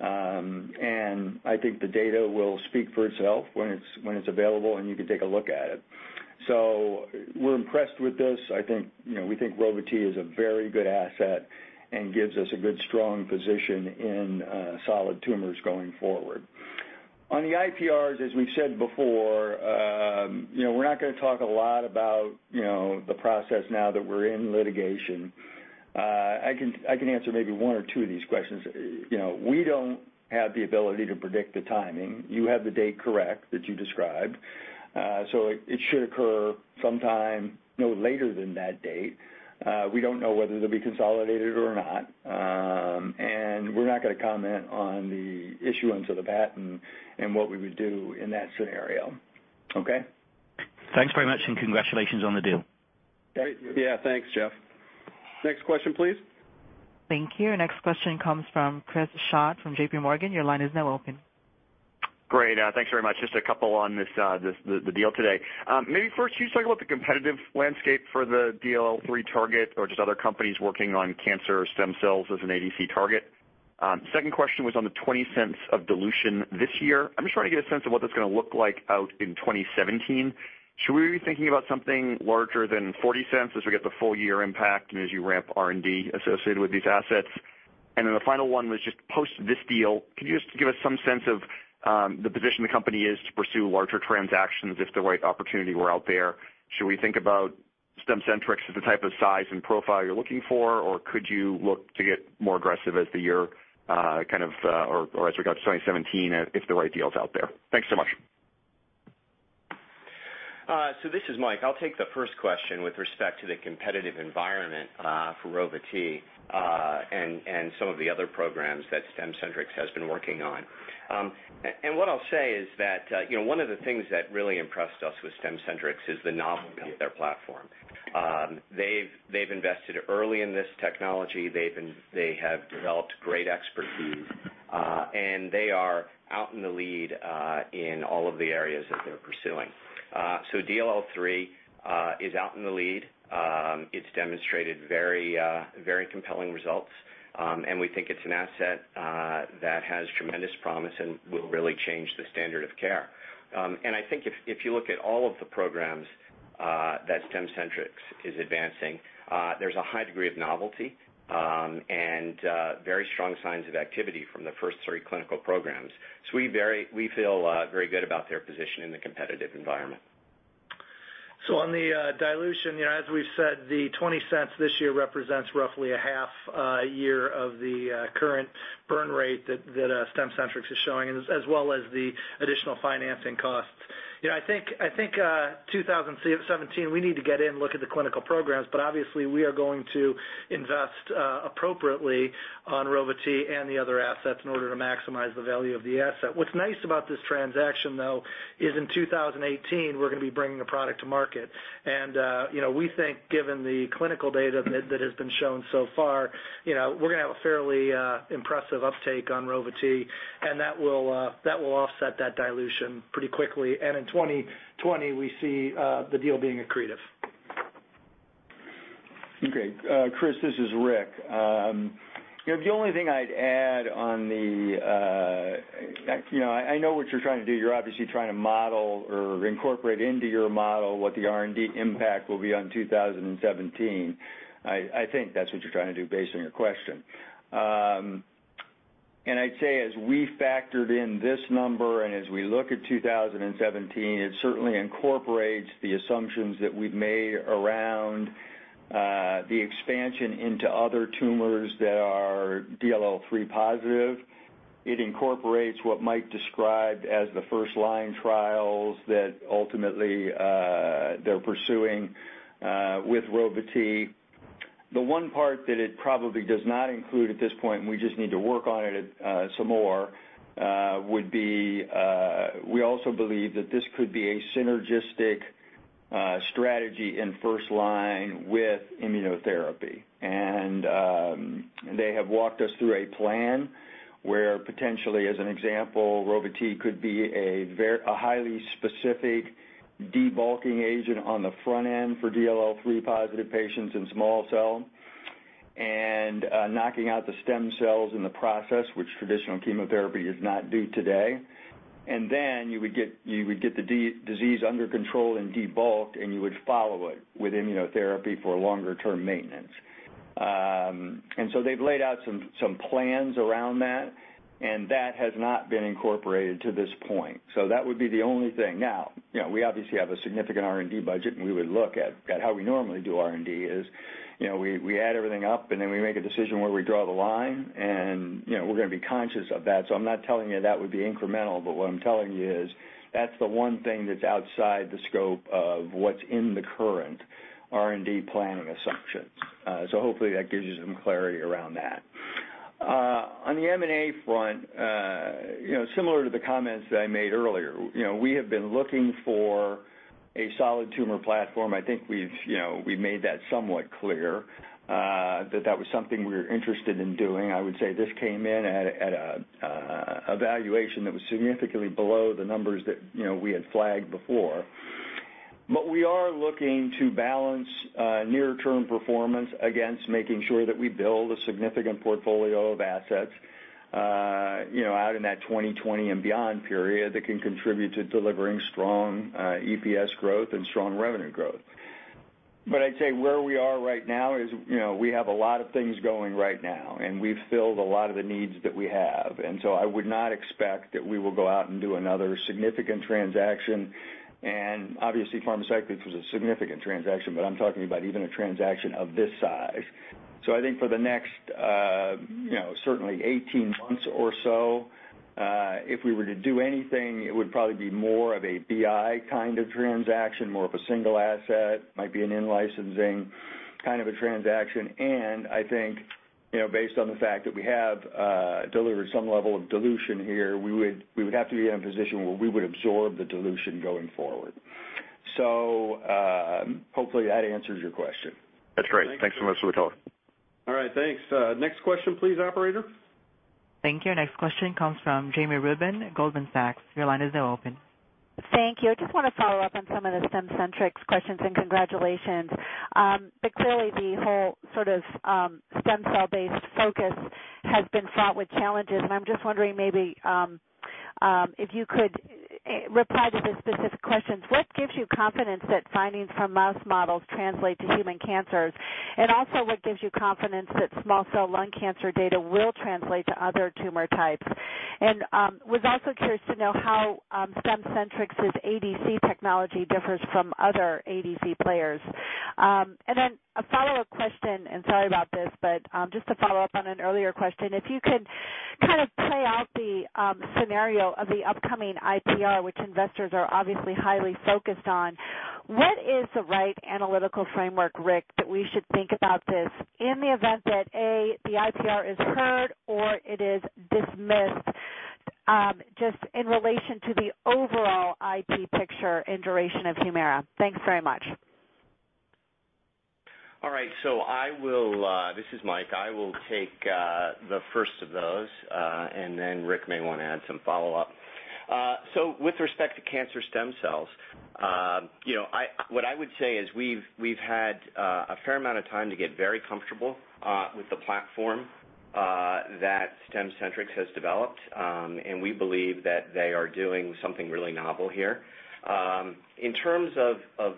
I think the data will speak for itself when it's available, and you can take a look at it. We're impressed with this. We think Rova-T is a very good asset and gives us a good, strong position in solid tumors going forward. On the IPRs, as we've said before, we're not going to talk a lot about the process now that we're in litigation. I can answer maybe one or two of these questions. We don't have the ability to predict the timing. You have the date correct that you described. It should occur sometime no later than that date. We don't know whether it'll be consolidated or not. We're not going to comment on the issuance of the patent and what we would do in that scenario. Okay? Thanks very much, and congratulations on the deal. Great. Yeah, thanks, Jeff. Next question, please. Thank you. Next question comes from Chris Schott from JPMorgan. Your line is now open. Great. Thanks very much. Just a couple on the deal today. Maybe first, can you talk about the competitive landscape for the DLL3 target or just other companies working on cancer stem cells as an ADC target? Second question was on the $0.20 of dilution this year. I'm just trying to get a sense of what that's going to look like out in 2017. Should we be thinking about something larger than $0.40 as we get the full year impact and as you ramp R&D associated with these assets? Then the final one was just post this deal, could you just give us some sense of the position the company is to pursue larger transactions if the right opportunity were out there? Should we think about Stemcentrx as the type of size and profile you're looking for, or could you look to get more aggressive as regards to 2017, if the right deal is out there? Thanks so much. This is Mike. I'll take the first question with respect to the competitive environment for Rova-T and some of the other programs that Stemcentrx has been working on. What I'll say is that one of the things that really impressed us with Stemcentrx is the novelty of their platform. They've invested early in this technology. They have developed great expertise, and they are out in the lead in all of the areas that they're pursuing. DLL3 is out in the lead. It's demonstrated very compelling results. We think it's an asset that has tremendous promise and will really change the standard of care. I think if you look at all of the programs that Stemcentrx is advancing, there's a high degree of novelty and very strong signs of activity from the first three clinical programs. We feel very good about their position in the competitive environment. On the dilution, as we've said, the $0.20 this year represents roughly a half a year of the current burn rate that Stemcentrx is showing, as well as the additional financing costs. I think 2017, we need to get in and look at the clinical programs, but obviously, we are going to invest appropriately on Rova-T and the other assets in order to maximize the value of the asset. What's nice about this transaction, though, is in 2018, we're going to be bringing a product to market. We think given the clinical data that has been shown so far, we're going to have a fairly impressive uptake on Rova-T, and that will offset that dilution pretty quickly. In 2020, we see the deal being accretive. Okay. Chris, this is Rick. I know what you're trying to do. You're obviously trying to model or incorporate into your model what the R&D impact will be on 2017. I think that's what you're trying to do based on your question. I'd say as we factored in this number and as we look at 2017, it certainly incorporates the assumptions that we've made around the expansion into other tumors that are DLL3 positive. It incorporates what Mike described as the first-line trials that ultimately they're pursuing with Rova-T. The one part that it probably does not include at this point, and we just need to work on it some more, would be, we also believe that this could be a synergistic strategy in first-line with immunotherapy. They have walked us through a plan where potentially, as an example, Rova-T could be a highly specific debulking agent on the front end for DLL3-positive patients in small-cell and knocking out the stem cells in the process, which traditional chemotherapy does not do today. You would get the disease under control and debulked, and you would follow it with immunotherapy for longer term maintenance. They've laid out some plans around that, and that has not been incorporated to this point. That would be the only thing. Now, we obviously have a significant R&D budget, and we would look at how we normally do R&D is, we add everything up, and then we make a decision where we draw the line, and we're gonna be conscious of that. I'm not telling you that would be incremental, but what I'm telling you is that's the one thing that's outside the scope of what's in the current R&D planning assumptions. Hopefully, that gives you some clarity around that. On the M&A front, similar to the comments that I made earlier, we have been looking for a solid tumor platform. I think we've made that somewhat clear that that was something we were interested in doing. I would say this came in at a valuation that was significantly below the numbers that we had flagged before. We are looking to balance near-term performance against making sure that we build a significant portfolio of assets out in that 2020 and beyond period that can contribute to delivering strong EPS growth and strong revenue growth. I'd say where we are right now is we have a lot of things going right now, and we've filled a lot of the needs that we have. I would not expect that we will go out and do another significant transaction. Obviously, Pharmacyclics was a significant transaction, but I'm talking about even a transaction of this size. I think for the next certainly 18 months or so, if we were to do anything, it would probably be more of a BI kind of transaction, more of a single asset, might be an in-licensing kind of a transaction. I think, based on the fact that we have delivered some level of dilution here, we would have to be in a position where we would absorb the dilution going forward. Hopefully, that answers your question. That's great. Thanks so much for the call. All right. Thanks. Next question please, operator. Thank you. Next question comes from Jami Rubin, Goldman Sachs. Your line is now open. Thank you. I just want to follow up on some of the Stemcentrx questions and congratulations. Clearly the whole sort of stem cell based focus has been fraught with challenges, I'm just wondering maybe if you could reply to the specific questions. What gives you confidence that findings from mouse models translate to human cancers? What gives you confidence that small-cell lung cancer data will translate to other tumor types? Was also curious to know how Stemcentrx's ADC technology differs from other ADC players. A follow-up question, and sorry about this, but just to follow up on an earlier question, if you could kind of play out the scenario of the upcoming IPR, which investors are obviously highly focused on, what is the right analytical framework, Rick, that we should think about this in the event that, A, the IPR is heard or it is dismissed, just in relation to the overall IP picture and duration of HUMIRA? Thanks very much. This is Michael Severino. I will take the first of those, then Rick Gonzalez may want to add some follow-up. With respect to cancer stem cells, what I would say is we've had a fair amount of time to get very comfortable with the platform that Stemcentrx has developed. We believe that they are doing something really novel here. In terms of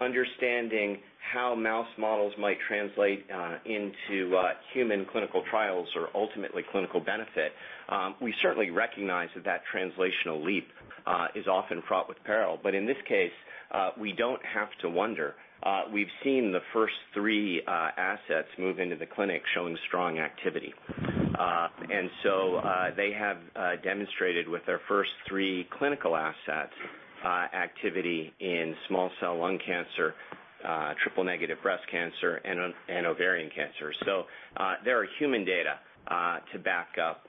understanding how mouse models might translate into human clinical trials or ultimately clinical benefit, we certainly recognize that translational leap is often fraught with peril. In this case, we don't have to wonder. We've seen the first three assets move into the clinic showing strong activity. They have demonstrated with their first three clinical assets activity in small cell lung cancer, triple negative breast cancer, and ovarian cancer. There are human data to back up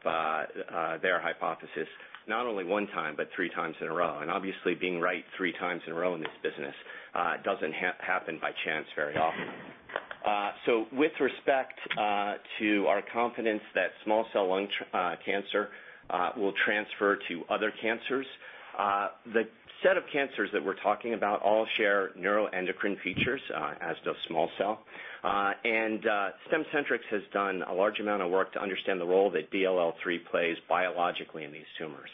their hypothesis, not only one time, but 3 times in a row. Obviously, being right 3 times in a row in this business doesn't happen by chance very often. With respect to our confidence that small cell lung cancer will transfer to other cancers, the set of cancers that we're talking about all share neuroendocrine features, as does small cell. Stemcentrx has done a large amount of work to understand the role that DLL3 plays biologically in these tumors.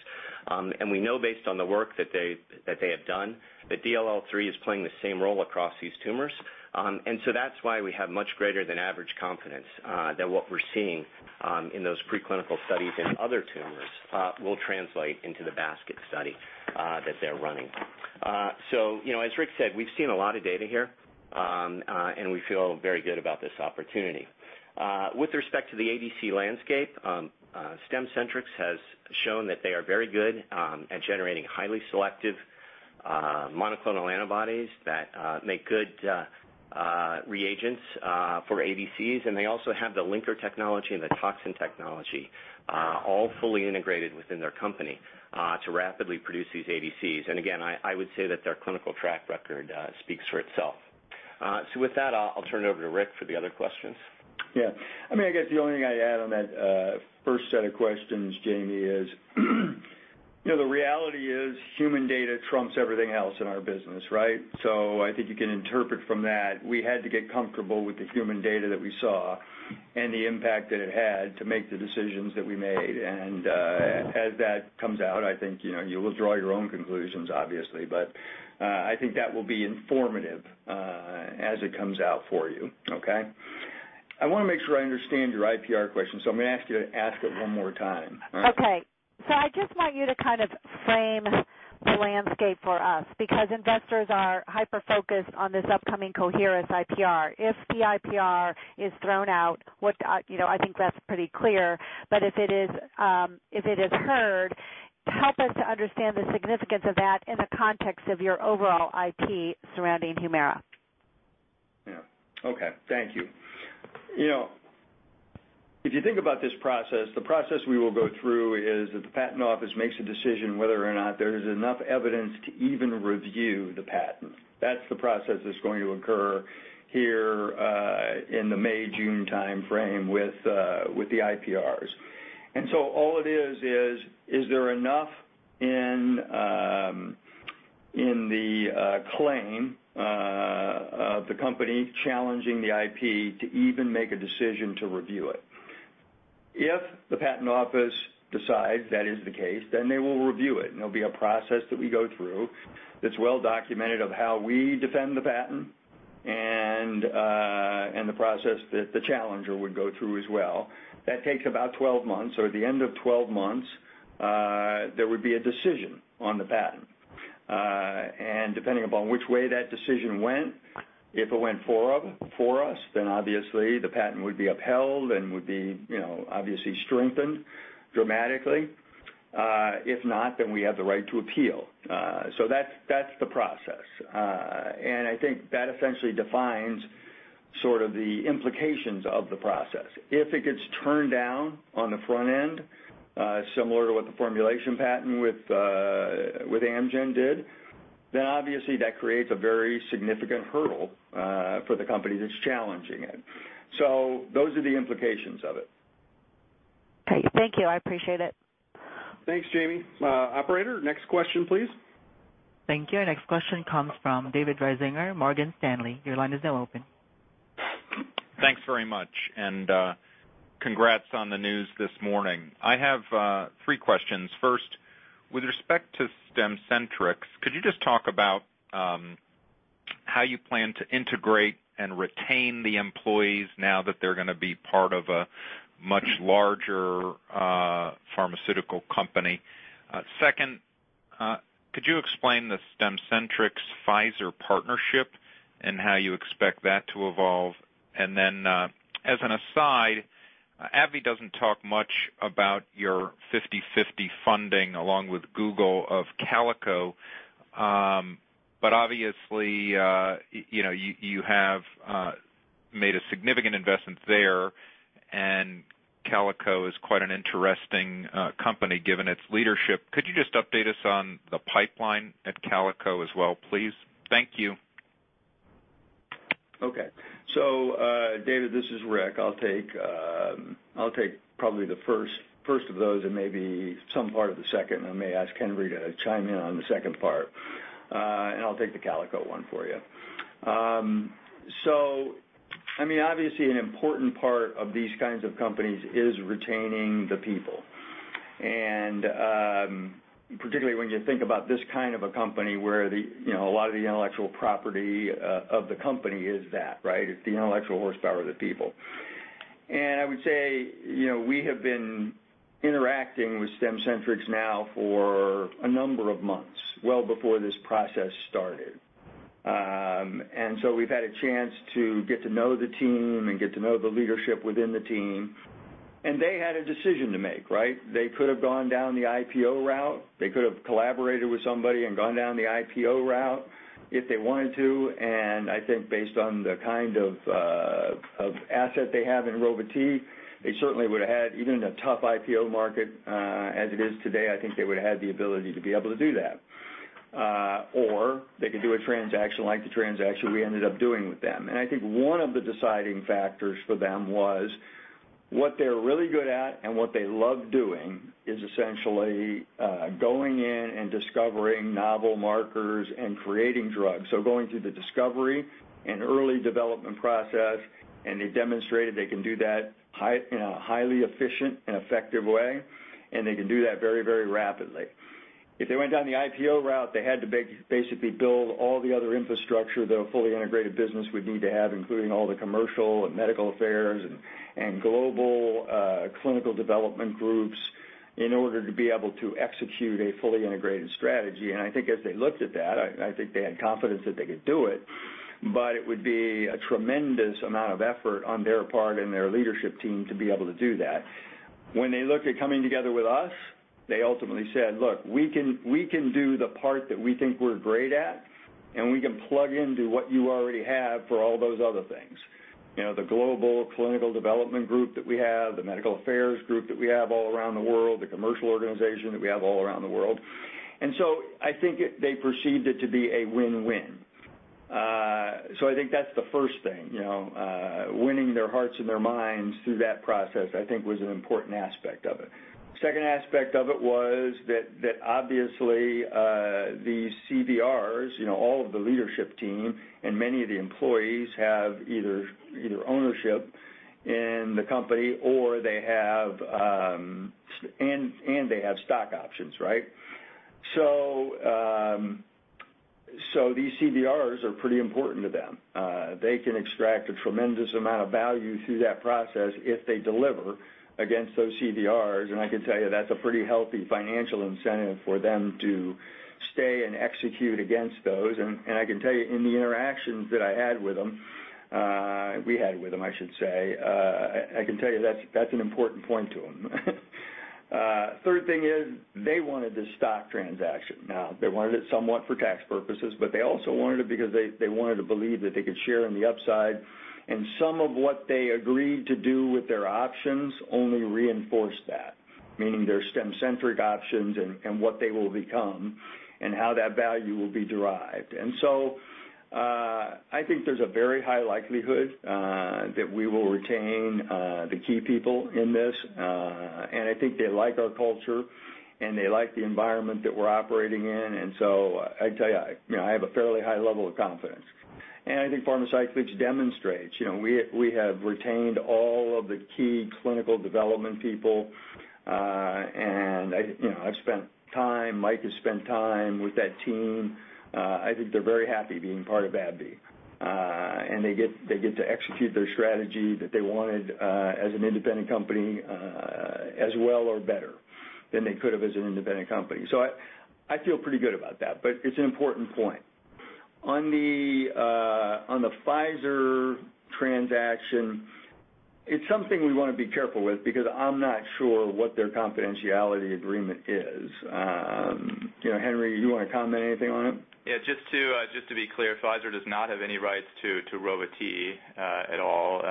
We know based on the work that they have done that DLL3 is playing the same role across these tumors. That's why we have much greater than average confidence, that what we're seeing in those preclinical studies in other tumors will translate into the basket study that they're running. As Rick Gonzalez said, we've seen a lot of data here, we feel very good about this opportunity. With respect to the ADC landscape, Stemcentrx has shown that they are very good at generating highly selective monoclonal antibodies that make good reagents for ADCs, they also have the linker technology and the toxin technology all fully integrated within their company, to rapidly produce these ADCs. Again, I would say that their clinical track record speaks for itself. With that, I'll turn it over to Rick Gonzalez for the other questions. Yeah. I guess the only thing I'd add on that first set of questions, Jami Rubin, is the reality is human data trumps everything else in our business, right? I think you can interpret from that, we had to get comfortable with the human data that we saw and the impact that it had to make the decisions that we made. As that comes out, I think you will draw your own conclusions, obviously. I think that will be informative as it comes out for you. Okay? I want to make sure I understand your IPR question, I'm going to ask you to ask it one more time. All right? Okay. I just want you to kind of frame the landscape for us, because investors are hyper-focused on this upcoming Coherus IPR. If the IPR is thrown out, I think that's pretty clear, but if it is heard, help us to understand the significance of that in the context of your overall IP surrounding HUMIRA. Yeah. Okay. Thank you. If you think about this process, the process we will go through is that the patent office makes a decision whether or not there is enough evidence to even review the patent. That's the process that's going to occur here in the May-June timeframe with the IPRs. All it is there enough in the claim of the company challenging the IP to even make a decision to review it. If the patent office decides that is the case, then they will review it, and there will be a process that we go through that's well documented of how we defend the patent and the process that the challenger would go through as well. That takes about 12 months, so at the end of 12 months, there would be a decision on the patent. Depending upon which way that decision went, if it went for us, then obviously the patent would be upheld and would be obviously strengthened dramatically. If not, then we have the right to appeal. That's the process. I think that essentially defines sort of the implications of the process. If it gets turned down on the front end, similar to what the formulation patent with Amgen did, then obviously that creates a very significant hurdle for the company that's challenging it. Those are the implications of it. Okay. Thank you. I appreciate it. Thanks, Jami. Operator, next question, please. Thank you. Next question comes from David Risinger, Morgan Stanley. Your line is now open. Thanks very much. Congrats on the news this morning. I have three questions. First, with respect to Stemcentrx, could you just talk about how you plan to integrate and retain the employees now that they're going to be part of a much larger pharmaceutical company? Then, as an aside, AbbVie doesn't talk much about your 50/50 funding along with Google of Calico, but obviously, you have made a significant investment there, and Calico is quite an interesting company given its leadership. Could you just update us on the pipeline at Calico as well, please? Thank you. Okay. David, this is Rick. I'll take probably the first of those and maybe some part of the second. I may ask Ken Reed to chime in on the second part. I'll take the Calico one for you. Obviously, an important part of these kinds of companies is retaining the people. Particularly when you think about this kind of a company where a lot of the intellectual property of the company is that, right? It's the intellectual horsepower of the people. I would say, we have been interacting with Stemcentrx now for a number of months, well before this process started. We've had a chance to get to know the team and get to know the leadership within the team. They had a decision to make, right? They could have gone down the IPO route. They could have collaborated with somebody and gone down the IPO route if they wanted to. I think based on the kind of asset they have in Rova-T, they certainly would have had, even in a tough IPO market as it is today, I think they would have had the ability to be able to do that. They could do a transaction like the transaction we ended up doing with them. I think one of the deciding factors for them was what they're really good at and what they love doing is essentially going in and discovering novel markers and creating drugs. Going through the discovery and early development process, and they demonstrated they can do that in a highly efficient and effective way, and they can do that very rapidly. If they went down the IPO route, they had to basically build all the other infrastructure that a fully integrated business would need to have, including all the commercial and medical affairs and global clinical development groups in order to be able to execute a fully integrated strategy. I think as they looked at that, I think they had confidence that they could do it, but it would be a tremendous amount of effort on their part and their leadership team to be able to do that. When they looked at coming together with us, they ultimately said, "Look, we can do the part that we think we're great at, and we can plug into what you already have for all those other things." The global clinical development group that we have, the medical affairs group that we have all around the world, the commercial organization that we have all around the world. I think they perceived it to be a win-win. I think that's the first thing. Winning their hearts and their minds through that process, I think was an important aspect of it. Second aspect of it was that obviously, the CVRs, all of the leadership team and many of the employees have either ownership in the company or they have stock options, right? These CVRs are pretty important to them. They can extract a tremendous amount of value through that process if they deliver against those CVRs. I can tell you that's a pretty healthy financial incentive for them to stay and execute against those. I can tell you in the interactions that I had with them, we had with them, I should say, I can tell you that's an important point to them. Third thing is they wanted this stock transaction. They wanted it somewhat for tax purposes, but they also wanted it because they wanted to believe that they could share in the upside, and some of what they agreed to do with their options only reinforced that. Meaning their Stemcentrx options and what they will become and how that value will be derived. I think there's a very high likelihood that we will retain the key people in this, I think they like our culture and they like the environment that we're operating in. I tell you, I have a fairly high level of confidence. I think Pharmacyclics demonstrates. We have retained all of the key clinical development people. I've spent time, Mike has spent time with that team I think they're very happy being part of AbbVie. They get to execute their strategy that they wanted as an independent company, as well or better than they could have as an independent company. I feel pretty good about that, but it's an important point. On the Pfizer transaction, it's something we want to be careful with because I'm not sure what their confidentiality agreement is. Henry, you want to comment anything on it? Yeah, just to be clear, Pfizer does not have any rights to Rova-T at all.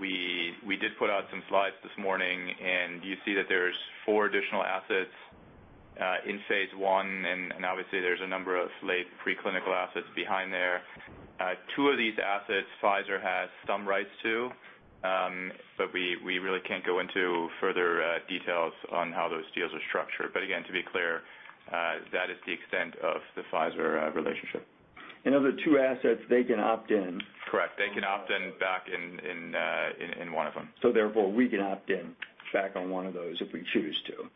We did put out some slides this morning, you see that there's four additional assets in phase I, obviously there's a number of late preclinical assets behind there. Two of these assets, Pfizer has some rights to, but we really can't go into further details on how those deals are structured. Again, to be clear, that is the extent of the Pfizer relationship. Of the two assets they can opt in. Correct. They can opt in back in one of them. Therefore, we can opt in back on one of those if we choose to.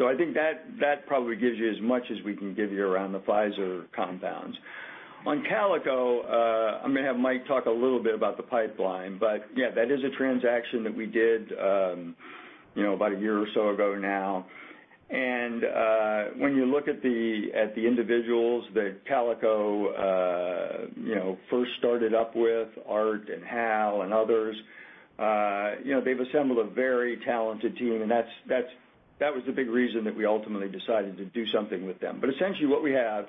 I think that probably gives you as much as we can give you around the Pfizer compounds. On Calico, I am going to have Mike talk a little bit about the pipeline. Yeah, that is a transaction that we did about a year or so ago now. When you look at the individuals that Calico first started up with, Art and Hal and others, they have assembled a very talented team, and that was the big reason that we ultimately decided to do something with them. Essentially what we have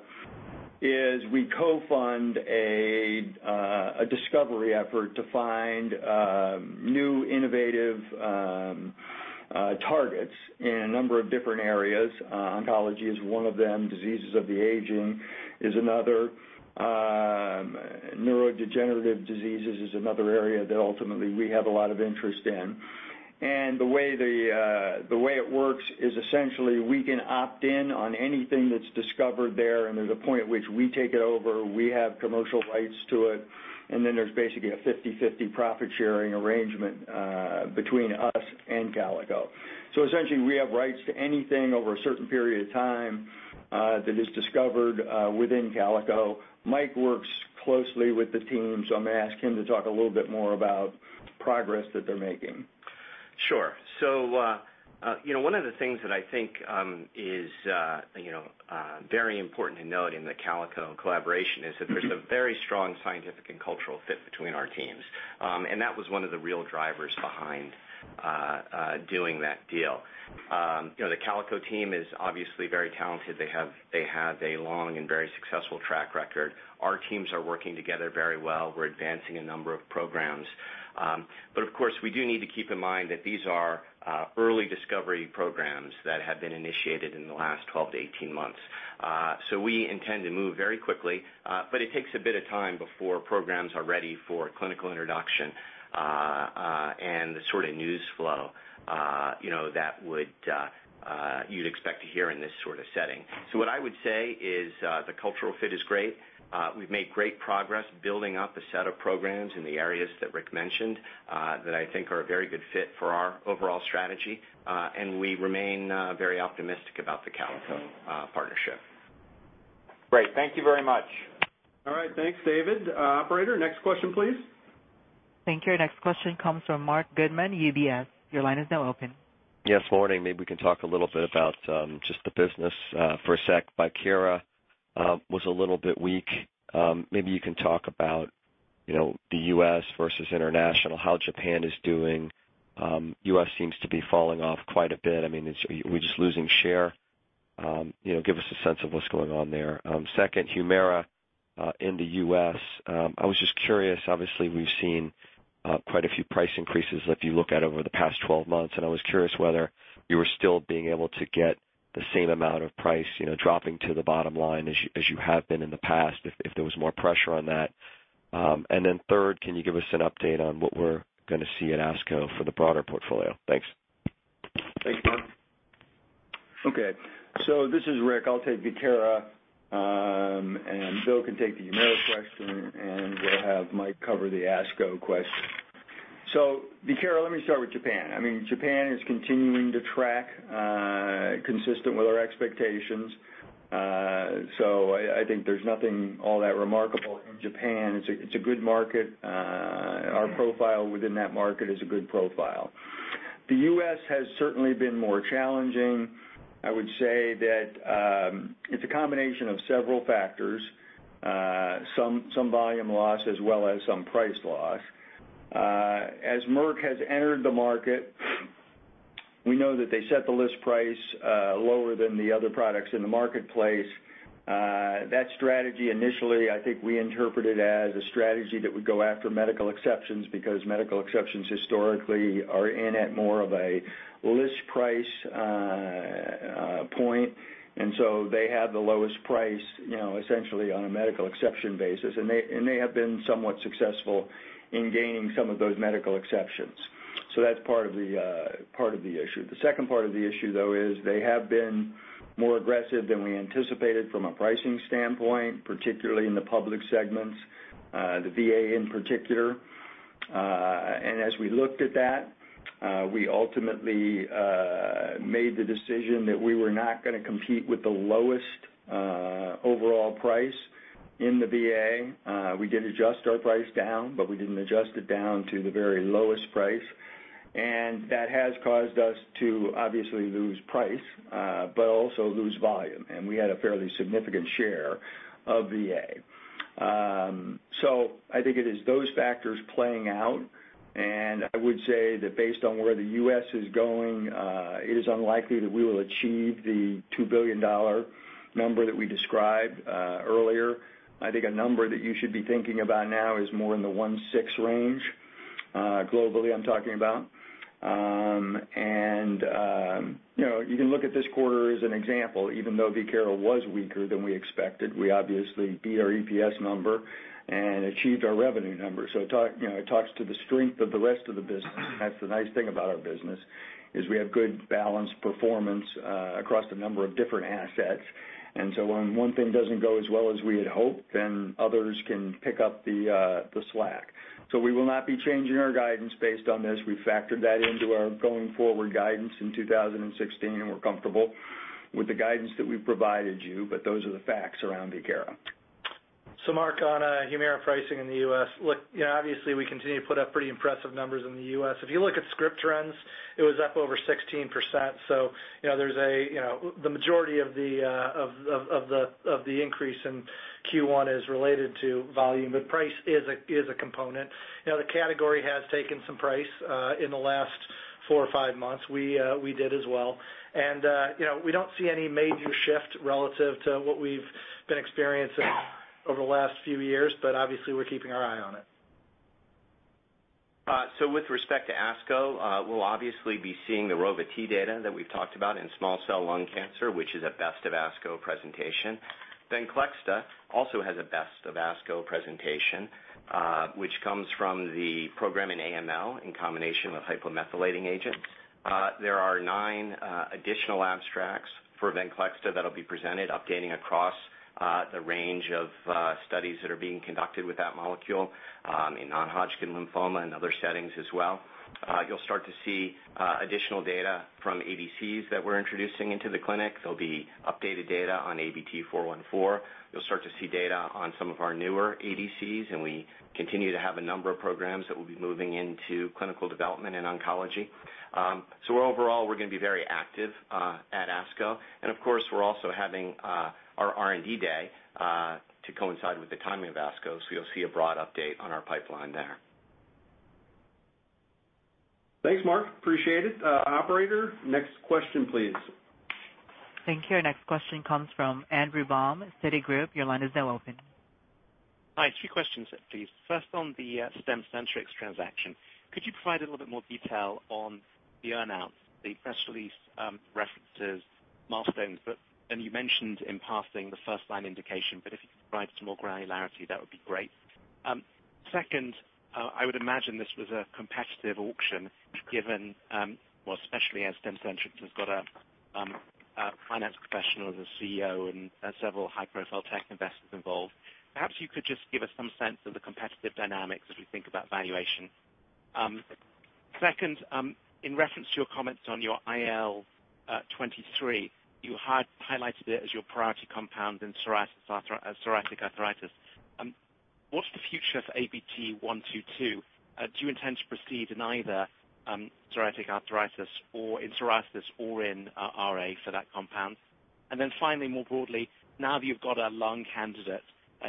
is we co-fund a discovery effort to find new innovative targets in a number of different areas. Oncology is one of them. Diseases of the aging is another. Neurodegenerative diseases is another area that ultimately we have a lot of interest in. The way it works is essentially we can opt in on anything that is discovered there, and there is a point at which we take it over, we have commercial rights to it, and then there is basically a 50/50 profit-sharing arrangement between us and Calico. Essentially, we have rights to anything over a certain period of time that is discovered within Calico. Mike works closely with the team, so I am going to ask him to talk a little bit more about progress that they are making. Sure. One of the things that I think is very important to note in the Calico collaboration is that there is a very strong scientific and cultural fit between our teams. That was one of the real drivers behind doing that deal. The Calico team is obviously very talented. They have a long and very successful track record. Our teams are working together very well. We are advancing a number of programs. Of course, we do need to keep in mind that these are early discovery programs that have been initiated in the last 12-18 months. We intend to move very quickly. It takes a bit of time before programs are ready for clinical introduction, and the sort of news flow that you would expect to hear in this sort of setting. What I would say is the cultural fit is great. We have made great progress building up a set of programs in the areas that Rick mentioned, that I think are a very good fit for our overall strategy. We remain very optimistic about the Calico partnership. Great. Thank you very much. All right. Thanks, David. Operator, next question, please. Thank you. Next question comes from Marc Goodman, UBS. Your line is now open. Yes. Morning. Maybe we can talk a little bit about just the business for a sec. Viekira was a little bit weak. Maybe you can talk about the U.S. versus international, how Japan is doing. U.S. seems to be falling off quite a bit. I mean, we're just losing share. Give us a sense of what's going on there. Second, HUMIRA in the U.S. I was just curious, obviously, we've seen quite a few price increases if you look at over the past 12 months, and I was curious whether you were still being able to get the same amount of price dropping to the bottom line as you have been in the past, if there was more pressure on that. Third, can you give us an update on what we're going to see at ASCO for the broader portfolio? Thanks. Thanks, Marc. Okay, this is Rick. I'll take VIEKIRA, and Bill can take the HUMIRA question, and we'll have Mike cover the ASCO question. VIEKIRA, let me start with Japan. Japan is continuing to track consistent with our expectations. I think there's nothing all that remarkable in Japan. It's a good market. Our profile within that market is a good profile. The U.S. has certainly been more challenging. I would say that it's a combination of several factors, some volume loss as well as some price loss. As Merck has entered the market, we know that they set the list price lower than the other products in the marketplace. That strategy initially, I think we interpreted as a strategy that would go after medical exceptions because medical exceptions historically are in at more of a list price point. They have the lowest price, essentially on a medical exception basis, and they have been somewhat successful in gaining some of those medical exceptions. That's part of the issue. The second part of the issue, though, is they have been more aggressive than we anticipated from a pricing standpoint, particularly in the public segments, the VA in particular. As we looked at that, we ultimately made the decision that we were not going to compete with the lowest overall price in the VA. We did adjust our price down, but we didn't adjust it down to the very lowest price, and that has caused us to obviously lose price, but also lose volume. We had a fairly significant share of VA. I think it is those factors playing out, and I would say that based on where the U.S. is going, it is unlikely that we will achieve the $2 billion number that we described earlier. I think a number that you should be thinking about now is more in the one six range. Globally, I'm talking about. You can look at this quarter as an example. Even though VIEKIRA was weaker than we expected, we obviously beat our EPS number and achieved our revenue number. It talks to the strength of the rest of the business. That's the nice thing about our business, is we have good balanced performance across a number of different assets. When one thing doesn't go as well as we had hoped, others can pick up the slack. We will not be changing our guidance based on this. We factored that into our going forward guidance in 2016, and we're comfortable with the guidance that we've provided you. Those are the facts around VIEKIRA. Mark, on HUMIRA pricing in the U.S., look, obviously, we continue to put up pretty impressive numbers in the U.S. If you look at script trends, it was up over 16%. The majority of the increase in Q1 is related to volume, but price is a component. The category has taken some price, in the last four or five months. We did as well. We don't see any major shift relative to what we've been experiencing over the last few years, but obviously we're keeping our eye on it. With respect to ASCO, we'll obviously be seeing the Rova-T data that we've talked about in small-cell lung cancer, which is a Best of ASCO presentation. VENCLEXTA also has a Best of ASCO presentation, which comes from the program in AML in combination with hypomethylating agents. There are nine additional abstracts for VENCLEXTA that'll be presented, updating across the range of studies that are being conducted with that molecule, in non-Hodgkin lymphoma and other settings as well. You'll start to see additional data from ADCs that we're introducing into the clinic. There'll be updated data on ABT-414. You'll start to see data on some of our newer ADCs, and we continue to have a number of programs that will be moving into clinical development and oncology. Overall, we're going to be very active at ASCO. Of course, we're also having our R&D day to coincide with the timing of ASCO. You'll see a broad update on our pipeline there. Thanks, Mark. Appreciate it. Operator, next question, please. Thank you. Next question comes from Andrew Baum, Citigroup. Your line is now open. Hi. Two questions please. First, on the Stemcentrx transaction, could you provide a little bit more detail on the earn-out, the press release, references, milestones, and you mentioned in passing the first-line indication, but if you could provide some more granularity, that would be great. Second, I would imagine this was a competitive auction given, well, especially as Stemcentrx has got a finance professional as a CEO and several high-profile tech investors involved. Perhaps you could just give us some sense of the competitive dynamics as we think about valuation. Second, in reference to your comments on your IL-23, you had highlighted it as your priority compound in psoriatic arthritis. What's the future for ABT-122? Do you intend to proceed in either psoriatic arthritis or in psoriasis or in RA for that compound? Finally, more broadly, now that you've got a lung candidate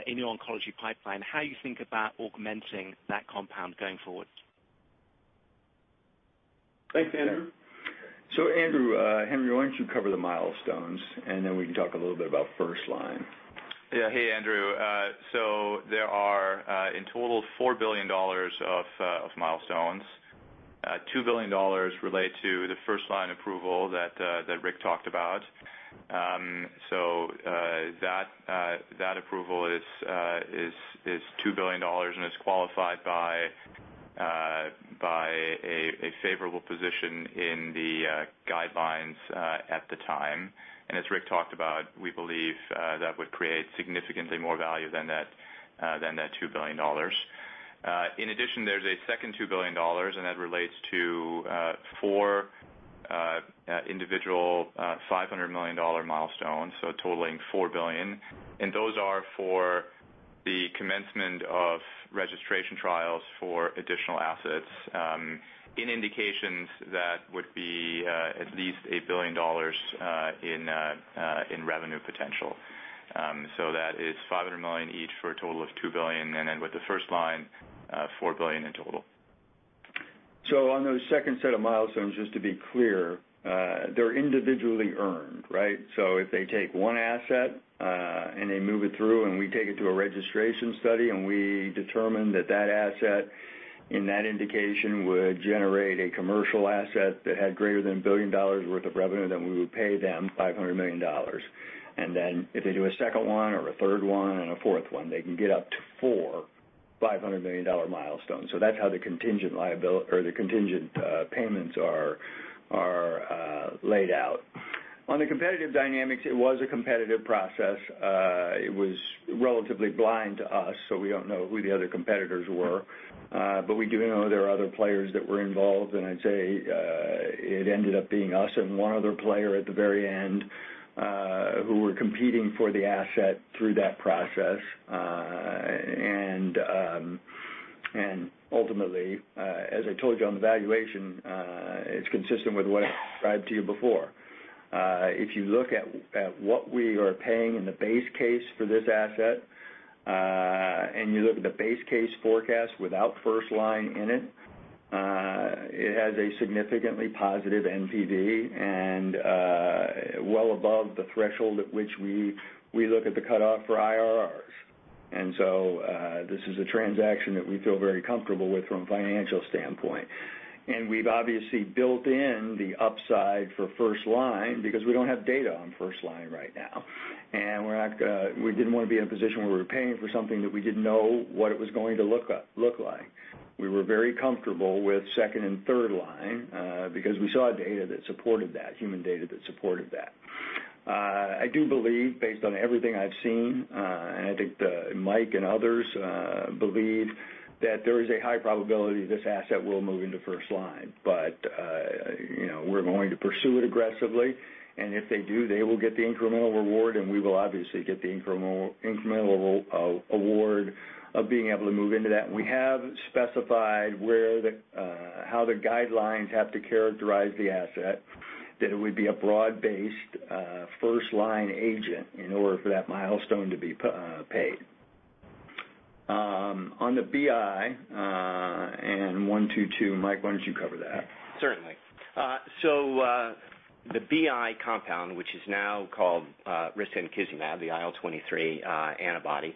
in your oncology pipeline, how you think about augmenting that compound going forward? Andrew, Henry, why don't you cover the milestones and then we can talk a little bit about first line. Yeah. Hey, Andrew. There are, in total, $4 billion of milestones. $2 billion relate to the first-line approval that Rick talked about. That approval is $2 billion and is qualified by a favorable position in the guidelines at the time. As Rick talked about, we believe that would create significantly more value than that $2 billion. In addition, there's a second $2 billion, and that relates to four individual $500 million milestones, so totaling $4 billion. Those are for the commencement of registration trials for additional assets, in indications that would be at least a billion dollars in revenue potential. That is $500 million each for a total of $2 billion. With the first line, $4 billion in total. On those second set of milestones, just to be clear, they're individually earned, right? If they take one asset, and they move it through, and we take it to a registration study, and we determine that asset in that indication would generate a commercial asset that had greater than a billion dollars' worth of revenue, then we would pay them $500 million. If they do a second one or a third one and a fourth one, they can get up to four $500 million milestones. That's how the contingent payments are laid out. On the competitive dynamics, it was a competitive process. It was relatively blind to us, so we don't know who the other competitors were. We do know there were other players that were involved, and I'd say it ended up being us and one other player at the very end, who were competing for the asset through that process. Ultimately, as I told you on the valuation, it's consistent with what I described to you before. If you look at what we are paying in the base case for this asset, and you look at the base case forecast without first-line in it has a significantly positive NPV and well above the threshold at which we look at the cutoff for IRRs. This is a transaction that we feel very comfortable with from a financial standpoint. We've obviously built in the upside for first-line because we don't have data on first-line right now. We didn't want to be in a position where we were paying for something that we didn't know what it was going to look like. We were very comfortable with second and third line because we saw data that supported that, human data that supported that. I do believe, based on everything I've seen, and I think Mike and others believe that there is a high probability this asset will move into first line. We're going to pursue it aggressively, and if they do, they will get the incremental reward, and we will obviously get the incremental award of being able to move into that. We have specified how the guidelines have to characterize the asset, that it would be a broad-based, first-line agent in order for that milestone to be paid. On the BI and 122, Mike, why don't you cover that? Certainly. The Boehringer Ingelheim compound, which is now called risankizumab, the IL-23 antibody,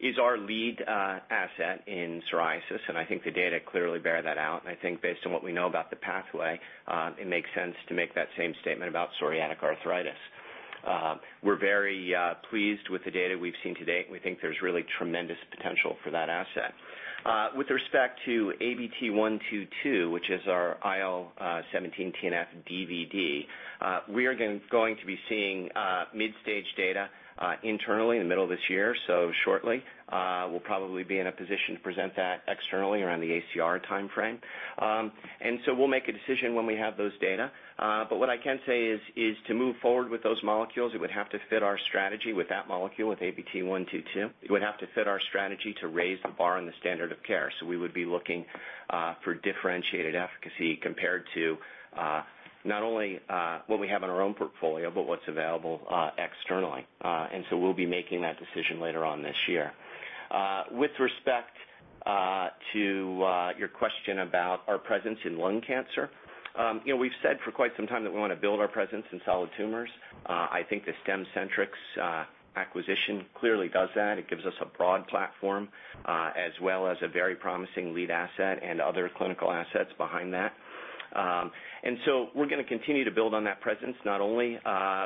is our lead asset in psoriasis, and I think the data clearly bear that out. I think based on what we know about the pathway, it makes sense to make that same statement about psoriatic arthritis. We're very pleased with the data we've seen to date, and we think there's really tremendous potential for that asset. With respect to ABT-122, which is our IL-17 TNF DVD-Ig, we are going to be seeing mid-stage data internally in the middle of this year, so shortly. We'll probably be in a position to present that externally around the ACR timeframe. We'll make a decision when we have those data. What I can say is to move forward with those molecules, it would have to fit our strategy with that molecule, with ABT-122. It would have to fit our strategy to raise the bar on the standard of care. We would be looking for differentiated efficacy compared to not only what we have in our own portfolio, but what's available externally. We'll be making that decision later on this year. With respect to your question about our presence in lung cancer, we've said for quite some time that we want to build our presence in solid tumors. I think the Stemcentrx acquisition clearly does that. It gives us a broad platform, as well as a very promising lead asset and other clinical assets behind that. We're going to continue to build on that presence, not only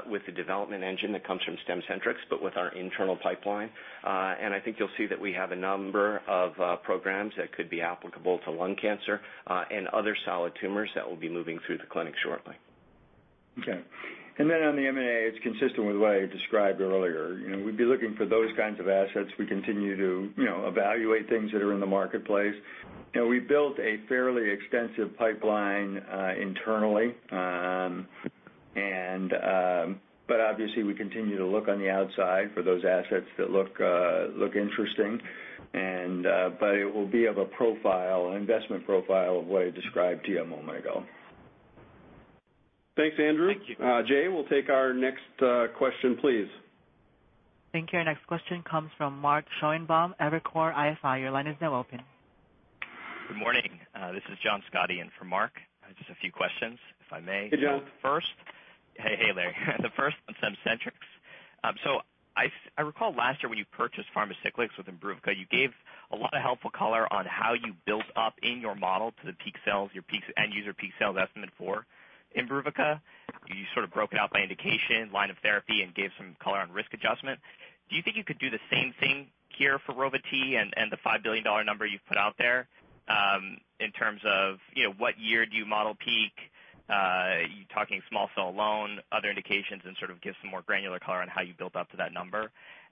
with the development engine that comes from Stemcentrx, but with our internal pipeline. I think you'll see that we have a number of programs that could be applicable to lung cancer and other solid tumors that will be moving through the clinic shortly. Okay. On the M&A, it's consistent with what I described earlier. We'd be looking for those kinds of assets. We continue to evaluate things that are in the marketplace. We built a fairly extensive pipeline internally, obviously, we continue to look on the outside for those assets that look interesting, it will be of an investment profile of what I described to you a moment ago. Thanks, Andrew. Thank you. Jay, we'll take our next question, please. Thank you. Our next question comes from Mark Schoenebaum, Evercore ISI. Your line is now open. Good morning. This is John Scott in for Mark. I just have a few questions, if I may. Hey, John. Hey, Larry. The first on Stemcentrx. I recall last year when you purchased Pharmacyclics with IMBRUVICA, you gave a lot of helpful color on how you built up in your model to the peak sales, your end user peak sales estimate for IMBRUVICA. You sort of broke it out by indication, line of therapy, and gave some color on risk adjustment. Do you think you could do the same thing here for Rova-T and the $5 billion number you've put out there, in terms of what year do you model peak? Are you talking small-cell alone, other indications, and sort of give some more granular color on how you built up to that number?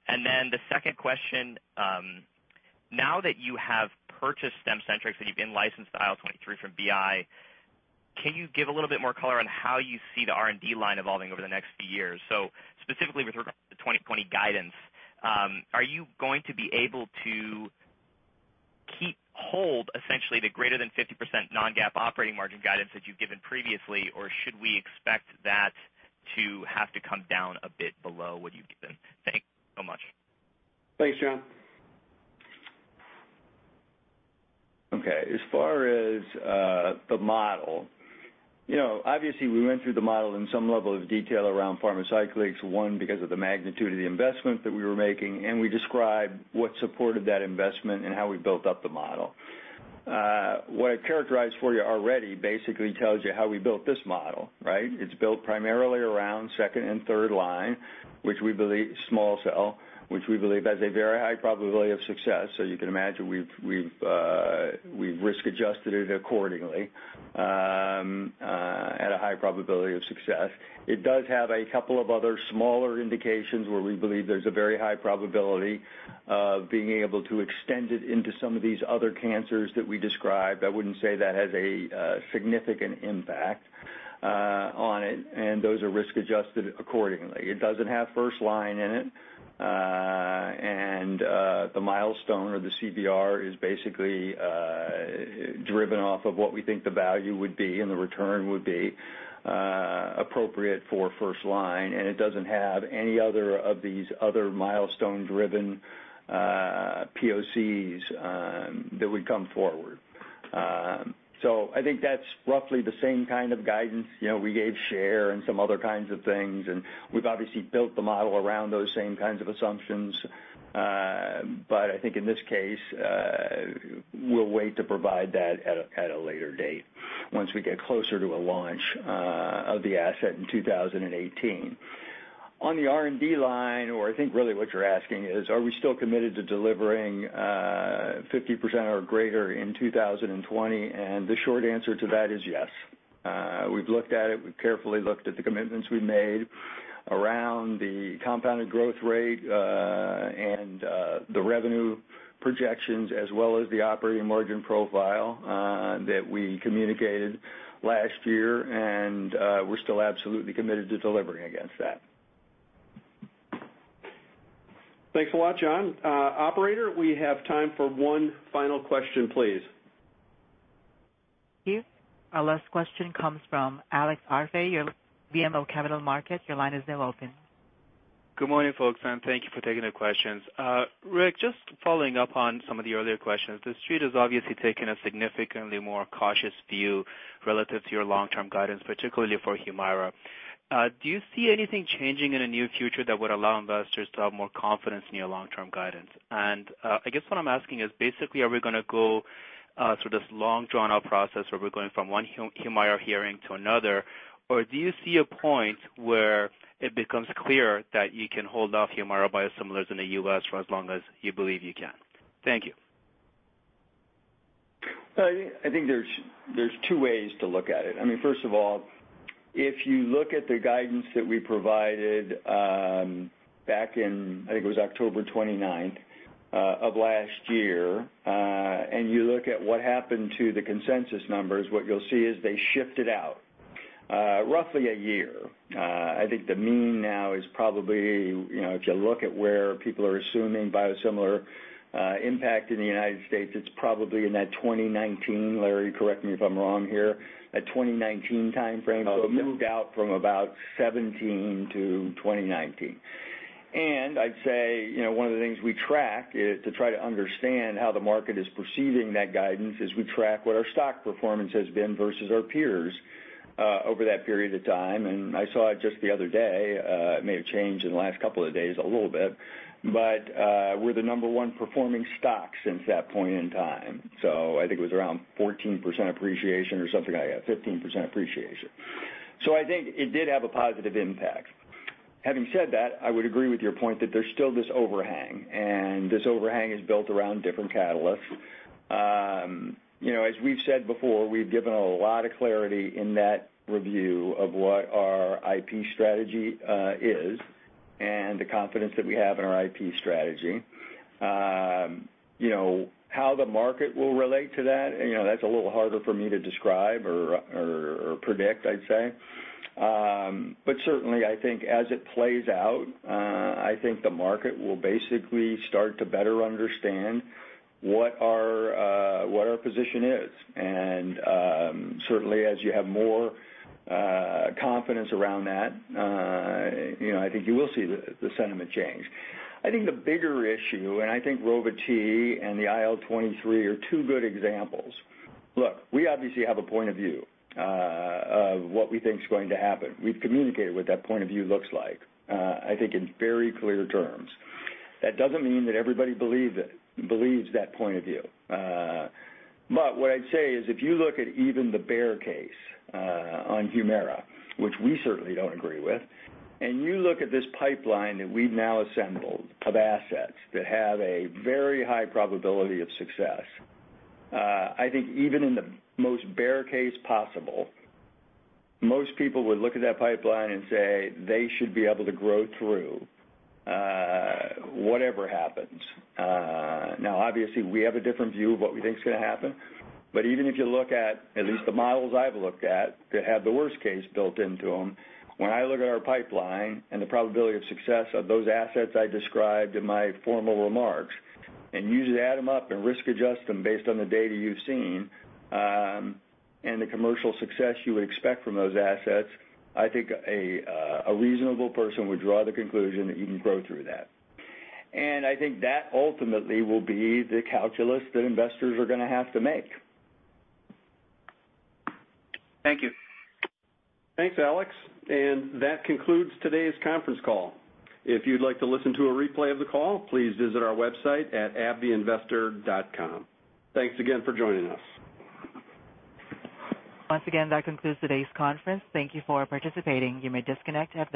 The second question, now that you have purchased Stemcentrx, that you've in-licensed the IL-23 from BI, can you give a little bit more color on how you see the R&D line evolving over the next few years? Specifically with regard to the 2020 guidance, are you going to be able to keep hold essentially the greater than 50% non-GAAP operating margin guidance that you've given previously, or should we expect that to have to come down a bit below what you've given? Thank you so much. Thanks, John. As far as the model, obviously we went through the model in some level of detail around Pharmacyclics, one, because of the magnitude of the investment that we were making, and we described what supported that investment and how we built up the model. What I've characterized for you already basically tells you how we built this model, right? It's built primarily around second and third line, small cell, which we believe has a very high probability of success. You can imagine we've risk adjusted it accordingly at a high probability of success. It does have a couple of other smaller indications where we believe there's a very high probability of being able to extend it into some of these other cancers that we described. I wouldn't say that has a significant impact on it, and those are risk adjusted accordingly. It doesn't have first line in it. The milestone or the CVR is basically driven off of what we think the value would be and the return would be appropriate for first line, and it doesn't have any other of these other milestone driven POCs that would come forward. I think that's roughly the same kind of guidance we gave share and some other kinds of things, and we've obviously built the model around those same kinds of assumptions. I think in this case, we'll wait to provide that at a later date once we get closer to a launch of the asset in 2018. On the R&D line, or I think really what you're asking is, are we still committed to delivering 50% or greater in 2020? The short answer to that is yes. We've looked at it. We've carefully looked at the commitments we've made around the compounded growth rate, and the revenue projections, as well as the operating margin profile that we communicated last year. We're still absolutely committed to delivering against that. Thanks a lot, John. Operator, we have time for one final question, please. Yes. Our last question comes from Alex Arfaei, BMO Capital Markets. Your line is now open. Good morning, folks, and thank you for taking the questions. Rick, just following up on some of the earlier questions. The Street has obviously taken a significantly more cautious view relative to your long-term guidance, particularly for HUMIRA. Do you see anything changing in the near future that would allow investors to have more confidence in your long-term guidance? I guess what I'm asking is basically, are we going to go through this long, drawn-out process where we're going from one HUMIRA hearing to another, or do you see a point where it becomes clear that you can hold off HUMIRA biosimilars in the U.S. for as long as you believe you can? Thank you. I think there's two ways to look at it. First of all, if you look at the guidance that we provided back in, I think it was October 29th of last year, you look at what happened to the consensus numbers, what you'll see is they shifted out roughly a year. I think the mean now is probably, if you look at where people are assuming biosimilar impact in the United States, it's probably in that 2019, Larry, correct me if I'm wrong here, that 2019 timeframe- moved out from about 2017 to 2019. I'd say, one of the things we track to try to understand how the market is perceiving that guidance is we track what our stock performance has been versus our peers over that period of time. I saw it just the other day, it may have changed in the last couple of days a little bit, but we're the number one performing stock since that point in time. I think it was around 14% appreciation or something like that, 15% appreciation. I think it did have a positive impact. Having said that, I would agree with your point that there's still this overhang, and this overhang is built around different catalysts. As we've said before, we've given a lot of clarity in that review of what our IP strategy is and the confidence that we have in our IP strategy. How the market will relate to that's a little harder for me to describe or predict, I'd say. Certainly I think as it plays out, I think the market will basically start to better understand what our position is. Certainly as you have more confidence around that, I think you will see the sentiment change. I think the bigger issue, I think Rova-T and the IL-23 are two good examples. Look, we obviously have a point of view of what we think is going to happen. We've communicated what that point of view looks like, I think in very clear terms. That doesn't mean that everybody believes that point of view. What I'd say is, if you look at even the bear case on HUMIRA, which we certainly don't agree with, and you look at this pipeline that we've now assembled of assets that have a very high probability of success, I think even in the most bear case possible, most people would look at that pipeline and say they should be able to grow through whatever happens. Obviously, we have a different view of what we think is going to happen, but even if you look at least the models I've looked at that have the worst case built into them, when I look at our pipeline and the probability of success of those assets I described in my formal remarks, and you add them up and risk adjust them based on the data you've seen, and the commercial success you would expect from those assets, I think a reasonable person would draw the conclusion that you can grow through that. I think that ultimately will be the calculus that investors are going to have to make. Thank you. Thanks, Alex, and that concludes today's conference call. If you'd like to listen to a replay of the call, please visit our website at abbvieinvestor.com. Thanks again for joining us. Once again, that concludes today's conference. Thank you for participating. You may disconnect at this time.